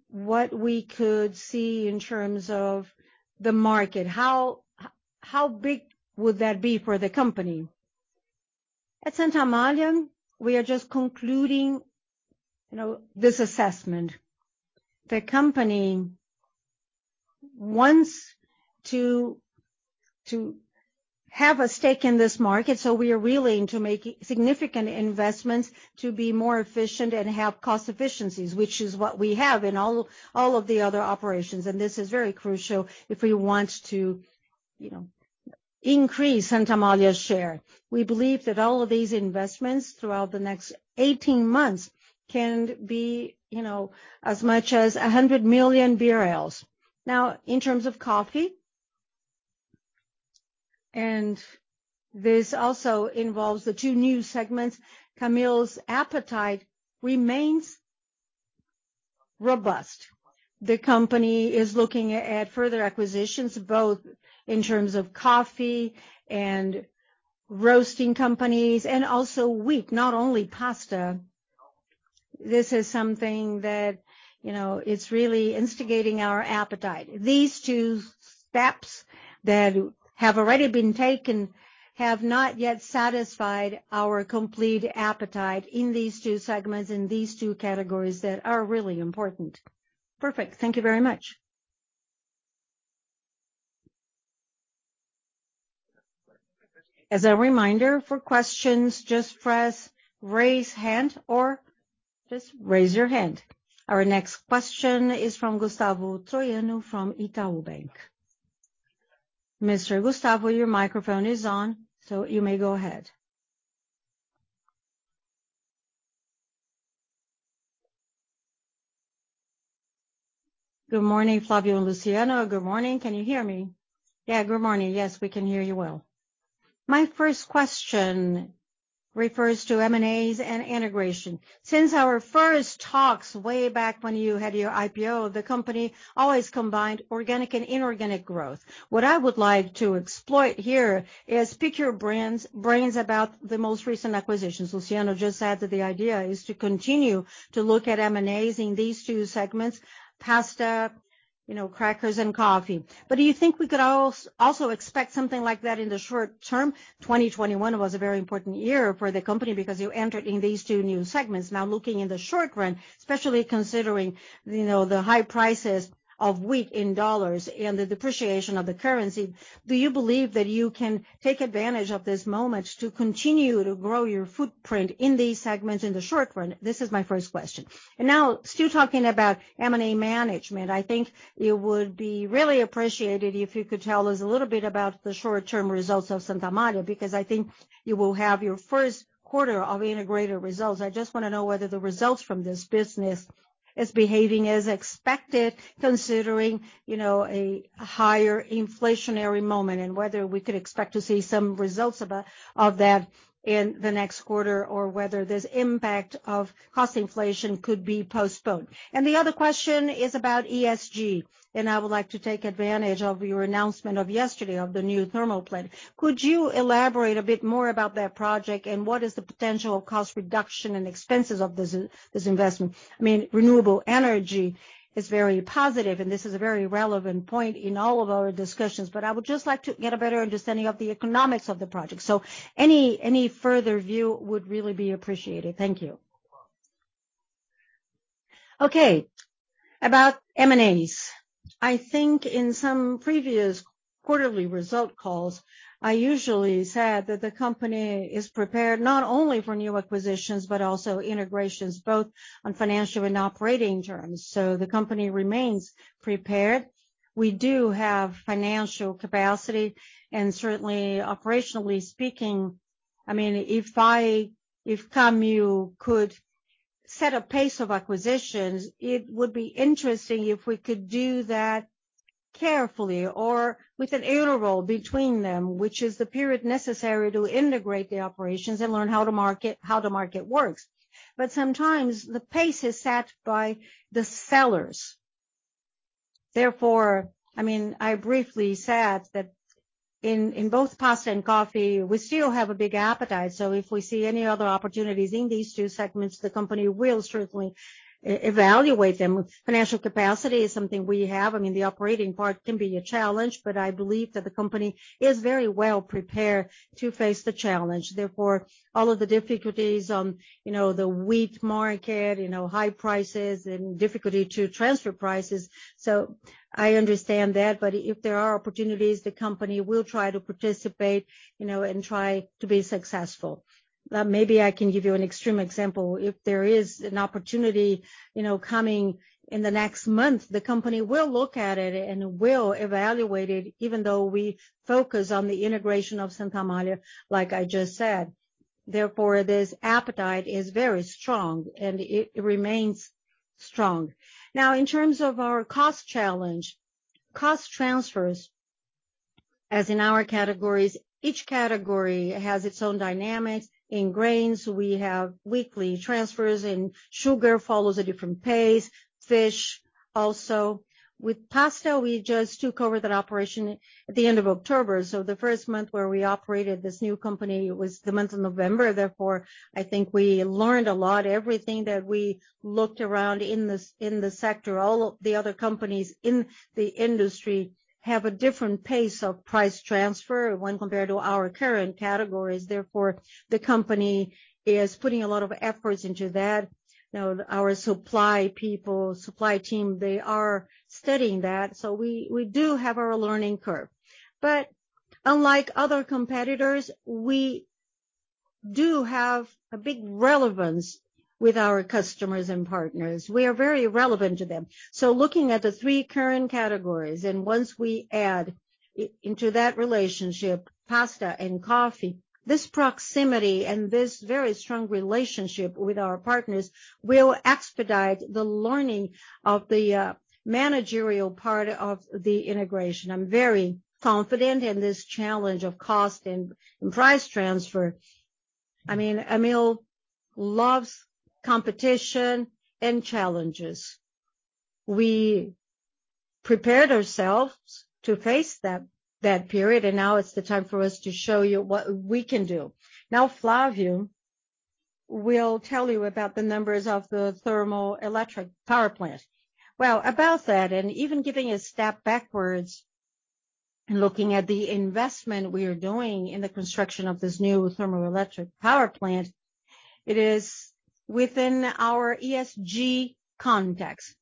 what we could see in terms of the market? How big would that be for the company? At Santa Amália, we are just concluding, you know, this assessment. The company wants to have a stake in this market, so we are willing to make significant investments to be more efficient and have cost efficiencies, which is what we have in all of the other operations. This is very crucial if we want to, you know, increase Santa Amália's share. We believe that all of these investments throughout the next 18 months can be, you know, as much as R$ 100 million. Now, in terms of coffee, and this also involves the two new segments, Camil's appetite remains robust. The company is looking at further acquisitions, both in terms of coffee and roasting companies and also wheat, not only pasta. This is something that, you know, it's really instigating our appetite. These two steps that have already been taken have not yet satisfied our complete appetite in these two segments, in these two categories that are really important. Perfect. Thank you very much. As a reminder, for questions, just press raise hand or just raise your hand. Our next question is from Gustavo Troyano from Itaú Bank. Mr. Gustavo, your microphone is on, so you may go ahead. Good morning, Flavio and Luciano. Good morning. Can you hear me? Yeah. Good morning. Yes, we can hear you well. My first question refers to M&As and integration. Since our first talks way back when you had your IPO, the company always combined organic and inorganic growth. What I would like to exploit here is pick your brains about the most recent acquisitions. Luciano just said that the idea is to continue to look at M&As in these two segments: pasta, you know, crackers and coffee. Do you think we could also expect something like that in the short term? 2021 was a very important year for the company because you entered in these two new segments. Now, looking in the short run, especially considering, you know, the high prices of wheat in dollars and the depreciation of the currency, do you believe that you can take advantage of this moment to continue to grow your footprint in these segments in the short run? This is my first question. Now, still talking about M&A management, I think it would be really appreciated if you could tell us a little bit about the short-term results of Santa Amália, because I think you will have your first quarter of integrated results. I just wanna know whether the results from this business is behaving as expected considering, you know, a higher inflationary moment, and whether we could expect to see some results of of that in the next quarter or whether this impact of cost inflation could be postponed. The other question is about ESG, and I would like to take advantage of your announcement of yesterday of the new thermal plant. Could you elaborate a bit more about that project and what is the potential cost reduction and expenses of this this investment? I mean, renewable energy is very positive, and this is a very relevant point in all of our discussions, but I would just like to get a better understanding of the economics of the project. Any further view would really be appreciated. Thank you. Okay. About M&As. I think in some previous quarterly result calls, I usually said that the company is prepared not only for new acquisitions, but also integrations, both on financial and operating terms. The company remains prepared. We do have financial capacity and certainly operationally speaking. I mean, if Camil could set a pace of acquisitions, it would be interesting if we could do that carefully or with an interval between them, which is the period necessary to integrate the operations and learn how to market, how the market works. Sometimes the pace is set by the sellers. I mean, I briefly said that in both pasta and coffee, we still have a big appetite. If we see any other opportunities in these two segments, the company will certainly evaluate them. Financial capacity is something we have. I mean, the operating part can be a challenge, but I believe that the company is very well prepared to face the challenge. All of the difficulties on, you know, the wheat market, you know, high prices and difficulty to transfer prices. I understand that, but if there are opportunities, the company will try to participate, you know, and try to be successful. Maybe I can give you an extreme example. If there is an opportunity, you know, coming in the next month, the company will look at it and will evaluate it, even though we focus on the integration of Santa Amália, like I just said. Therefore, this appetite is very strong, and it remains strong. Now, in terms of our cost challenge, cost transfers, as in our categories, each category has its own dynamics. In grains, we have weekly transfers. In sugar, follows a different pace. Fish, also. With pasta, we just took over that operation at the end of October. The first month where we operated this new company was the month of November. Therefore, I think we learned a lot. Everything that we looked around in this sector, all of the other companies in the industry have a different pace of price transfer when compared to our current categories. Therefore, the company is putting a lot of efforts into that. You know, our supply people, supply team, they are studying that. We do have our learning curve. Unlike other competitors, we do have a big relevance with our customers and partners. We are very relevant to them. Looking at the three current categories, and once we add into that relationship, pasta and coffee, this proximity and this very strong relationship with our partners will expedite the learning of the managerial part of the integration. I'm very confident in this challenge of cost and price transfer. I mean, Camil loves competition and challenges. We prepared ourselves to face that period, and now it's the time for us to show you what we can do. Now, Flavio will tell you about the numbers of the thermoelectric power plant. Well, about that, and even giving a step backwards and looking at the investment we are doing in the construction of this new thermoelectric power plant, it is within our ESG context.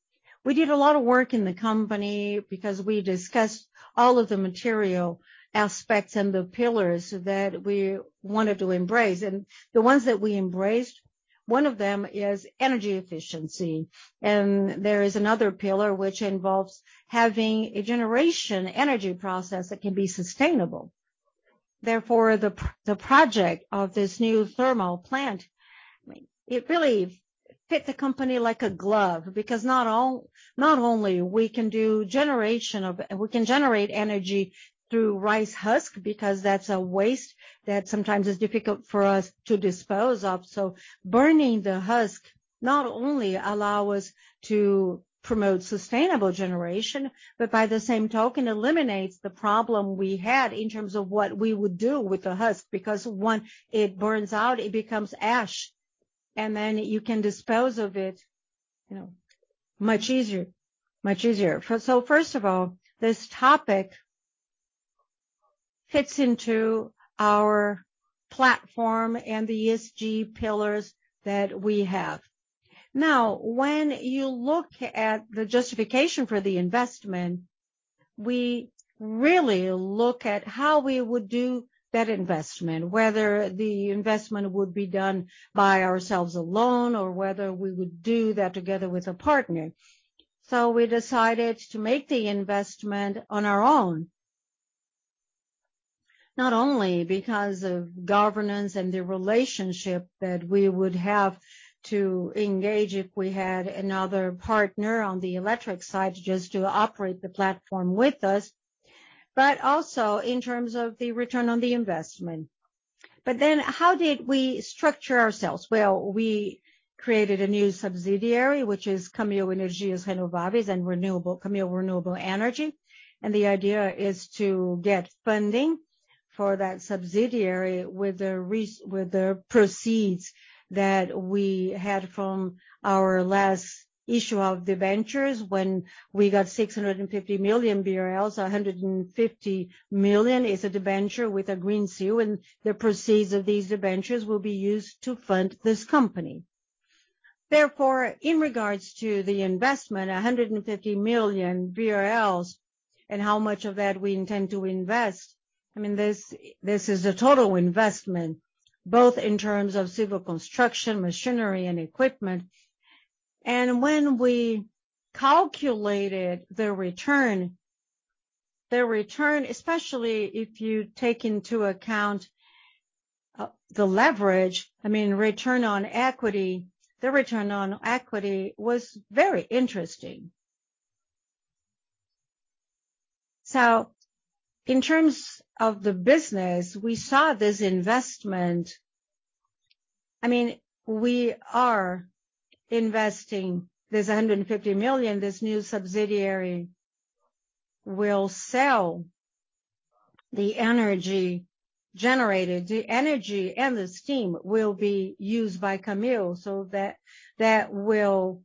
We did a lot of work in the company because we discussed all of the material aspects and the pillars that we wanted to embrace. The ones that we embraced, one of them is energy efficiency. There is another pillar which involves having a generation energy process that can be sustainable. Therefore, the project of this new thermal plant, I mean, it really fit the company like a glove because not only we can generate energy through rice husk because that's a waste that sometimes is difficult for us to dispose of. Burning the husk not only allow us to promote sustainable generation, but by the same token, eliminates the problem we had in terms of what we would do with the husk. Because once it burns out, it becomes ash, and then you can dispose of it, you know, much easier. First of all, this topic fits into our platform and the ESG pillars that we have. Now, when you look at the justification for the investment, we really look at how we would do that investment, whether the investment would be done by ourselves alone or whether we would do that together with a partner. We decided to make the investment on our own. Not only because of governance and the relationship that we would have to engage if we had another partner on the electric side just to operate the platform with us, but also in terms of the return on the investment. How did we structure ourselves? Well, we created a new subsidiary, which is Camil Energias Renováveis and Camil Renewable Energy. The idea is to get funding for that subsidiary with the proceeds that we had from our last issue of debentures when we got 650 million BRL. 150 million is a debenture with a Green Seal, and the proceeds of these debentures will be used to fund this company. Therefore, in regards to the investment, 150 million BRL, and how much of that we intend to invest, I mean, this is a total investment, both in terms of civil construction, machinery, and equipment. When we calculated the return, especially if you take into account the leverage, I mean, return on equity, the return on equity was very interesting. In terms of the business, we saw this investment. I mean, we are investing this 150 million. This new subsidiary will sell the energy generated. The energy and the steam will be used by Camil. That will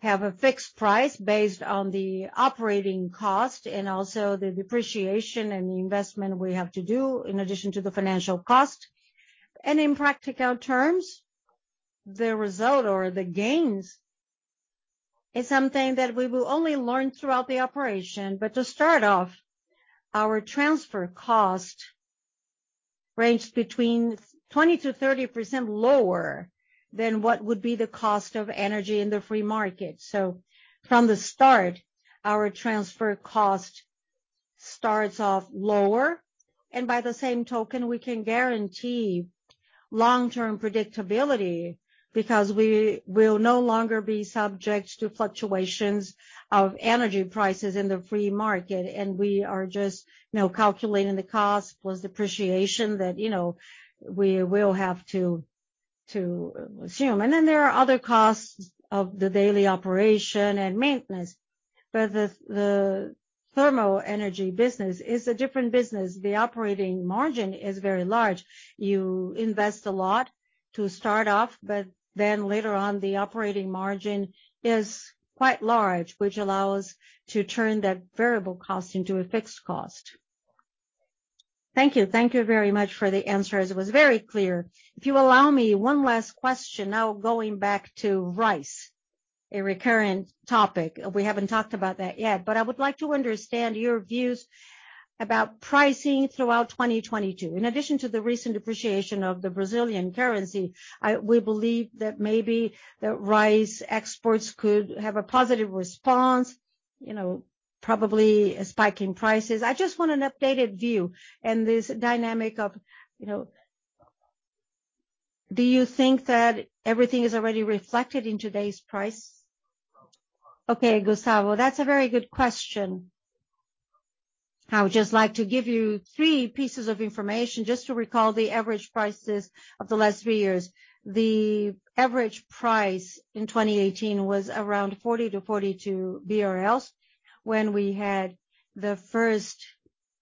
have a fixed price based on the operating cost and also the depreciation and the investment we have to do in addition to the financial cost. In practical terms, the result or the gains is something that we will only learn throughout the operation. To start off, our transfer cost ranged between 20%-30% lower than what would be the cost of energy in the free market. From the start, our transfer cost starts off lower, and by the same token, we can guarantee long-term predictability because we will no longer be subject to fluctuations of energy prices in the free market. We are just, you know, calculating the cost plus depreciation that, you know, we will have to assume. Then there are other costs of the daily operation and maintenance. The thermal energy business is a different business. The operating margin is very large. You invest a lot to start off, but then later on, the operating margin is quite large, which allows to turn that variable cost into a fixed cost. Thank you. Thank you very much for the answer. It was very clear. If you allow me one last question, now going back to rice, a recurrent topic. We haven't talked about that yet, but I would like to understand your views about pricing throughout 2022. In addition to the recent depreciation of the Brazilian currency, we believe that maybe the rice exports could have a positive response, you know, probably a spike in prices. I just want an updated view and this dynamic of, you know. Do you think that everything is already reflected in today's price? Okay, Gustavo, that's a very good question. I would just like to give you three pieces of information just to recall the average prices of the last three years. The average price in 2018 was around 40-42 BRL. When we had the first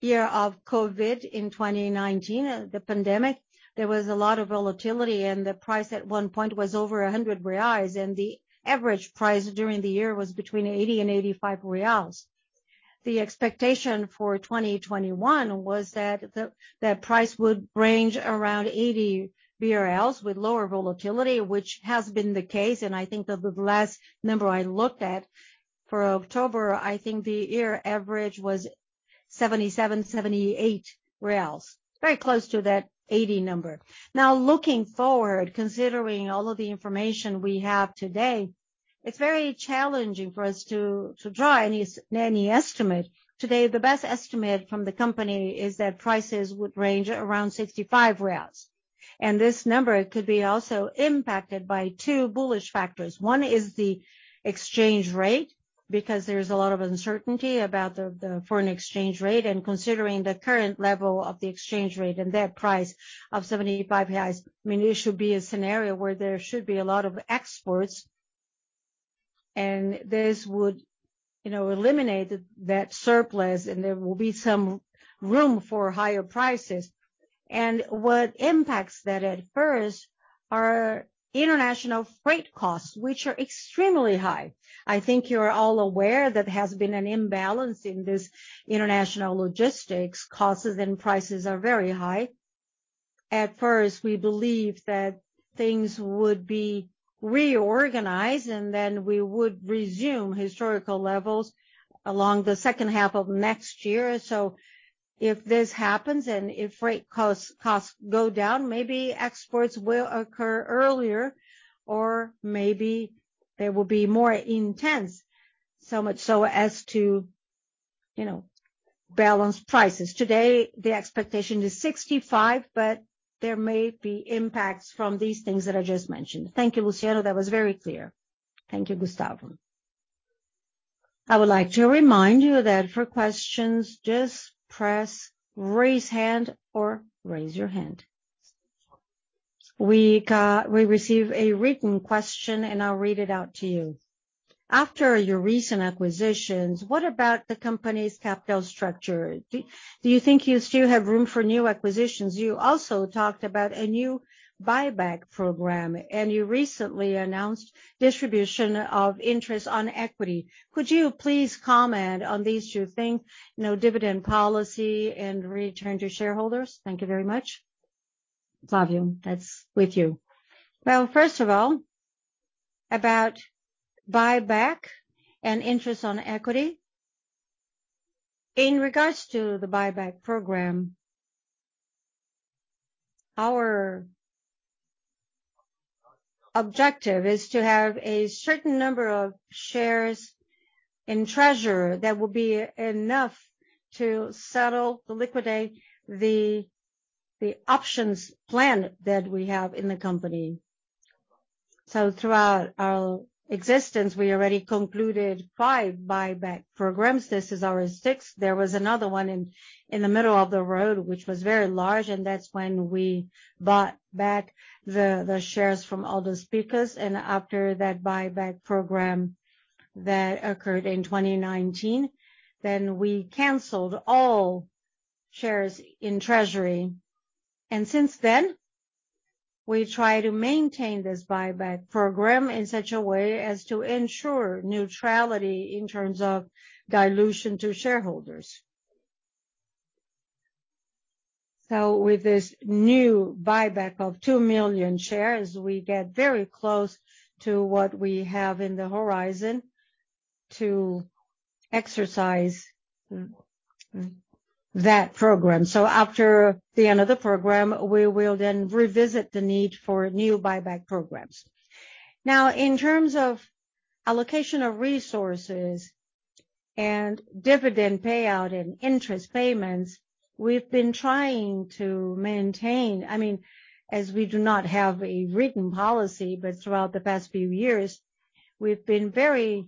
year of COVID in 2019, the pandemic, there was a lot of volatility, and the price at one point was over 100 reais, and the average price during the year was between 80-85 reais. The expectation for 2021 was that the price would range around 80 BRL with lower volatility, which has been the case. I think that the last number I looked at for October, I think the year average was 77-78 reais. Very close to that 80 number. Now, looking forward, considering all of the information we have today, it's very challenging for us to draw any estimate. Today, the best estimate from the company is that prices would range around 65 reais. This number could be also impacted by two bullish factors. One is the exchange rate, because there's a lot of uncertainty about the foreign exchange rate, and considering the current level of the exchange rate and that price of 75 reais, I mean, it should be a scenario where there should be a lot of exports, and this would, you know, eliminate that surplus, and there will be some room for higher prices. What impacts that at first are international freight costs, which are extremely high. I think you're all aware there has been an imbalance in this international logistics. Costs and prices are very high. At first, we believed that things would be reorganized, and then we would resume historical levels along the second half of next year. If this happens, and if freight costs go down, maybe exports will occur earlier, or maybe they will be more intense. So much so as to, you know, balance prices. Today, the expectation is 65%, but there may be impacts from these things that I just mentioned. Thank you, Luciano. That was very clear. Thank you, Gustavo. I would like to remind you that for questions, just press raise hand or raise your hand. We received a written question, and I'll read it out to you. After your recent acquisitions, what about the company's capital structure? Do you think you still have room for new acquisitions? You also talked about a new buyback program, and you recently announced distribution of interest on equity. Could you please comment on these two things, you know, dividend policy and return to shareholders? Thank you very much. Flavio, that's with you. Well, first of all, about buyback and interest on equity. In regards to the buyback program, our objective is to have a certain number of shares in treasury that will be enough to settle, to liquidate the options plan that we have in the company. Throughout our existence, we already concluded five buyback programs. This is our sixth. There was another one in the middle of the road, which was very large, and that's when we bought back the shares from Warburg Pincus. After that buyback program that occurred in 2019, we canceled all shares in treasury. Since then, we try to maintain this buyback program in such a way as to ensure neutrality in terms of dilution to shareholders. With this new buyback of two million shares, we get very close to what we have in the horizon to exercise, that program. After the end of the program, we will then revisit the need for new buyback programs. Now, in terms of allocation of resources and dividend payout and interest payments, we've been trying to maintain. I mean, as we do not have a written policy, but throughout the past few years, we've been very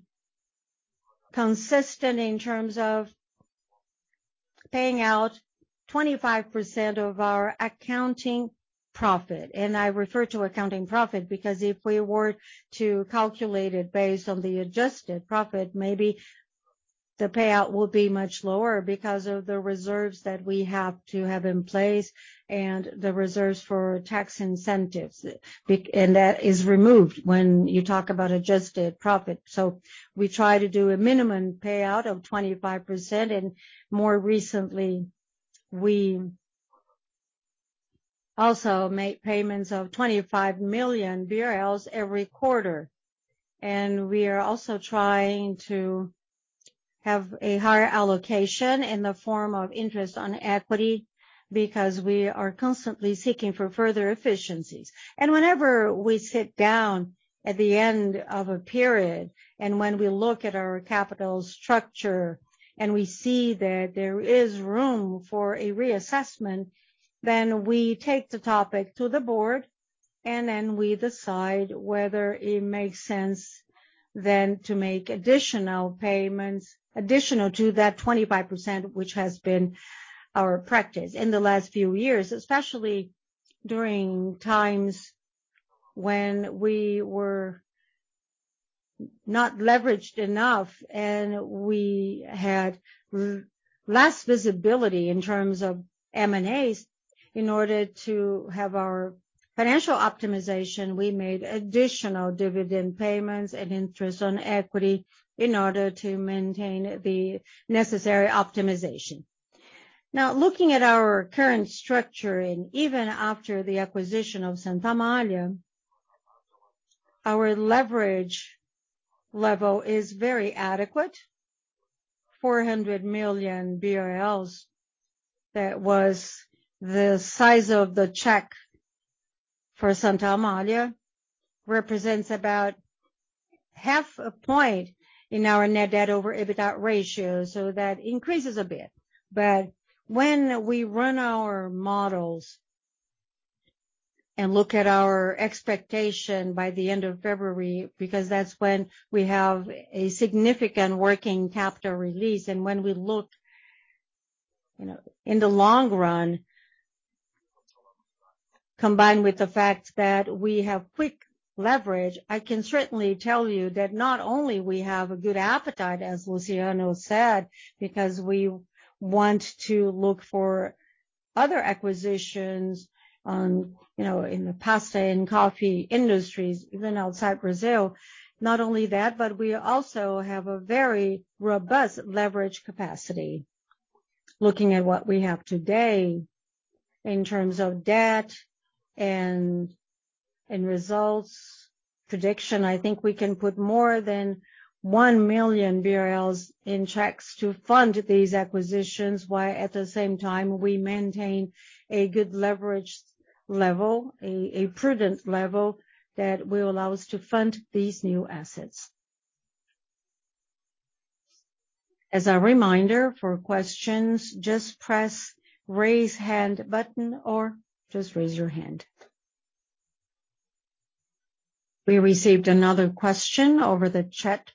consistent in terms of paying out 25% of our accounting profit. I refer to accounting profit because if we were to calculate it based on the adjusted profit, maybe the payout will be much lower because of the reserves that we have to have in place and the reserves for tax incentives and that is removed when you talk about adjusted profit. We try to do a minimum payout of 25%, and more recently, we also make payments of 25 million BRL every quarter. We are also trying to have a higher allocation in the form of interest on equity because we are constantly seeking for further efficiencies. Whenever we sit down at the end of a period, and when we look at our capital structure, and we see that there is room for a reassessment, then we take the topic to the board, and then we decide whether it makes sense then to make additional payments, additional to that 25%, which has been our practice in the last few years. Especially during times when we were not leveraged enough and we had less visibility in terms of M&As, in order to have our financial optimization, we made additional dividend payments and interest on equity in order to maintain the necessary optimization. Now, looking at our current structure, and even after the acquisition of Santa Amália, our leverage level is very adequate. 400 million BRL, that was the size of the check for Santa Amália, represents about half a point in our net debt over EBITDA ratio, so that increases a bit. When we run our models and look at our expectation by the end of February, because that's when we have a significant working capital release, and when we look, you know, in the long run, combined with the fact that we have quick leverage, I can certainly tell you that not only we have a good appetite, as Luciano said, because we want to look for other acquisitions on, you know, in the pasta and coffee industries, even outside Brazil. Not only that, but we also have a very robust leverage capacity. Looking at what we have today in terms of debt and results prediction, I think we can put more than 1 billion BRL in CapEx to fund these acquisitions, while at the same time we maintain a good leverage level, a prudent level that will allow us to fund these new assets. As a reminder, for questions, just press raise hand button or just raise your hand. We received another question over the chat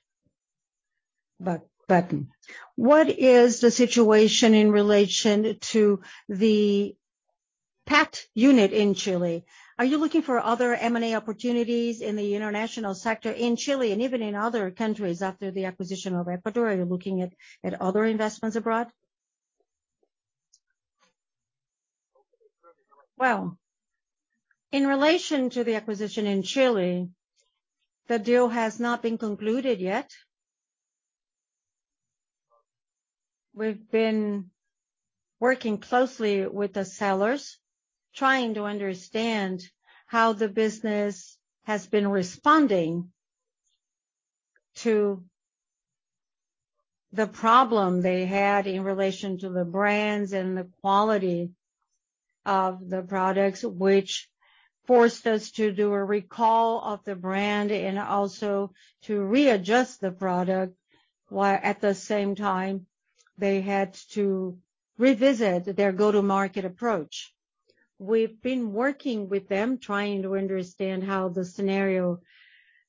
but button. What is the situation in relation to the packed unit in Chile? Are you looking for other M&A opportunities in the international sector in Chile and even in other countries after the acquisition of Ecuador? Are you looking at other investments abroad? Well, in relation to the acquisition in Chile, the deal has not been concluded yet. We've been working closely with the sellers, trying to understand how the business has been responding to the problem they had in relation to the brands and the quality of the products, which forced us to do a recall of the brand and also to readjust the product, while at the same time they had to revisit their go-to market approach. We've been working with them, trying to understand how the scenario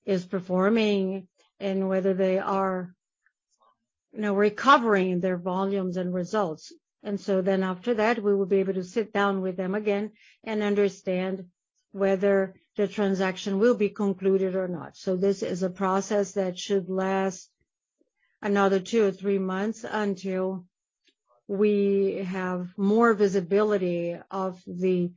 is performing and whether they are, you know, recovering their volumes and results. After that, we will be able to sit down with them again and understand whether the transaction will be concluded or not. This is a process that should last another two or three months until we have more visibility of the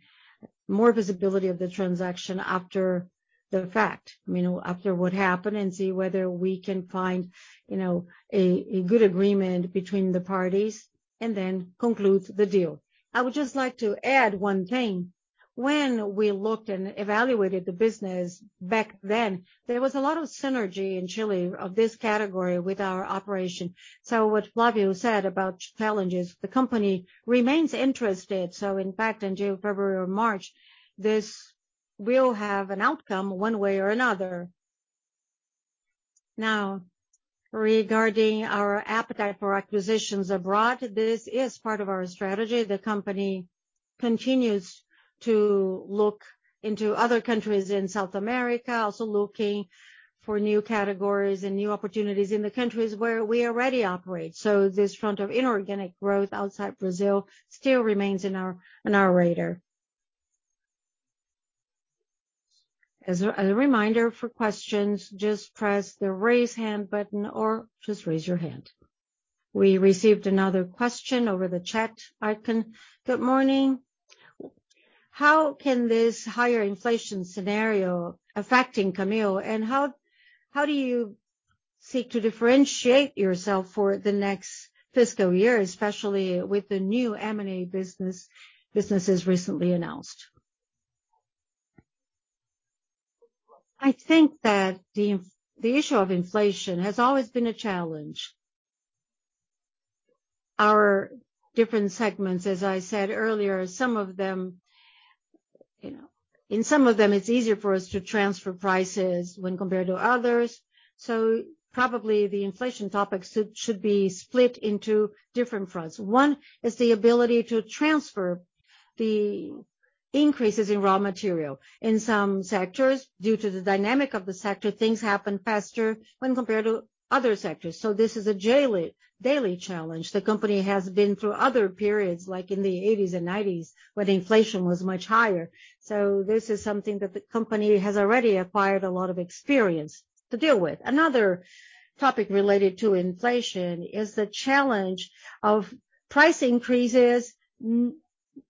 transaction after the fact, you know, after what happened, and see whether we can find, you know, a good agreement between the parties and then conclude the deal. I would just like to add one thing. When we looked and evaluated the business back then, there was a lot of synergy in Chile of this category with our operation. What Flavio said about challenges, the company remains interested. In fact, in February or March, this will have an outcome one way or another. Now, regarding our appetite for acquisitions abroad, this is part of our strategy. The company continues to look into other countries in South America, also looking for new categories and new opportunities in the countries where we already operate. This front of inorganic growth outside Brazil still remains in our radar. As a reminder, for questions, just press the Raise Hand button or just raise your hand. We received another question over the chat icon. Good morning. How can this higher inflation scenario affecting Camil, and how do you seek to differentiate yourself for the next fiscal year, especially with the new M&A businesses recently announced? I think that the issue of inflation has always been a challenge. Our different segments, as I said earlier, some of them, you know, in some of them, it's easier for us to transfer prices when compared to others. Probably the inflation topic should be split into different fronts. One is the ability to transfer the increases in raw material. In some sectors, due to the dynamic of the sector, things happen faster when compared to other sectors. This is a daily challenge. The company has been through other periods, like in the eighties and nineties, where the inflation was much higher. This is something that the company has already acquired a lot of experience to deal with. Another topic related to inflation is the challenge of price increases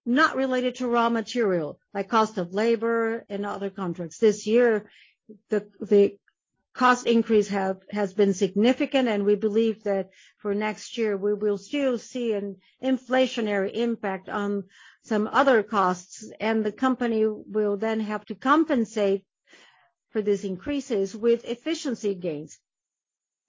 not related to raw material, like cost of labor and other contracts. This year, the cost increase has been significant, and we believe that for next year, we will still see an inflationary impact on some other costs, and the company will then have to compensate for these increases with efficiency gains.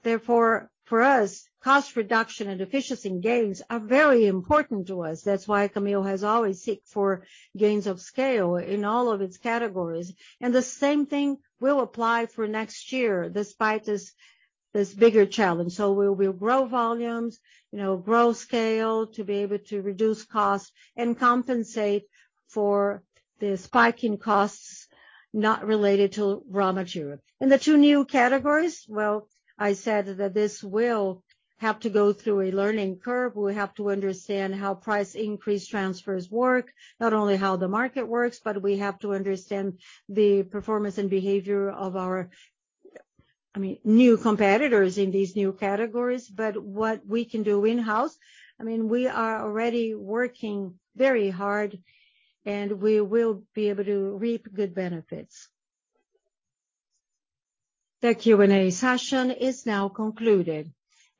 Therefore, for us, cost reduction and efficiency gains are very important to us. That's why Camil has always sought for gains of scale in all of its categories. The same thing will apply for next year, despite this bigger challenge. We will grow volumes, you know, grow scale to be able to reduce costs and compensate for the spike in costs not related to raw material. In the two new categories, well, I said that this will have to go through a learning curve. We have to understand how price increase transfers work, not only how the market works, but we have to understand the performance and behavior of our, I mean, new competitors in these new categories. What we can do in-house, I mean, we are already working very hard, and we will be able to reap good benefits. The Q&A session is now concluded.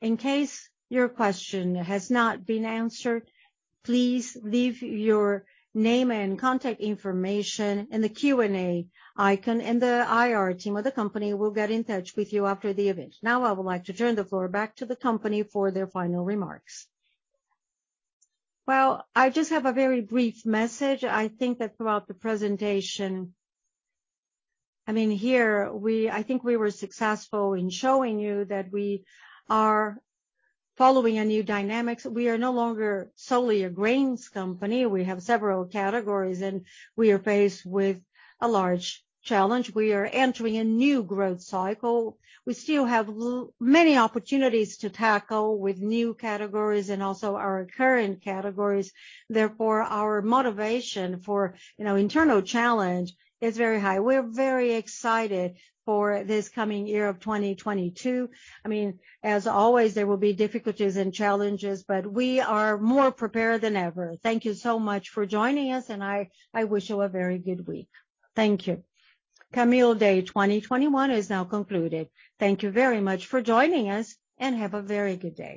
In case your question has not been answered, please leave your name and contact information in the Q&A icon and the IR team of the company will get in touch with you after the event. Now, I would like to turn the floor back to the company for their final remarks. Well, I just have a very brief message. I think that throughout the presentation, I mean, here, I think we were successful in showing you that we are following a new dynamics. We are no longer solely a grains company. We have several categories, and we are faced with a large challenge. We are entering a new growth cycle. We still have many opportunities to tackle with new categories and also our current categories. Therefore, our motivation for, you know, internal challenge is very high. We're very excited for this coming year of 2022. I mean, as always, there will be difficulties and challenges, but we are more prepared than ever. Thank you so much for joining us, and I wish you a very good week. Thank you. Camil Day 2021 is now concluded. Thank you very much for joining us, and have a very good day.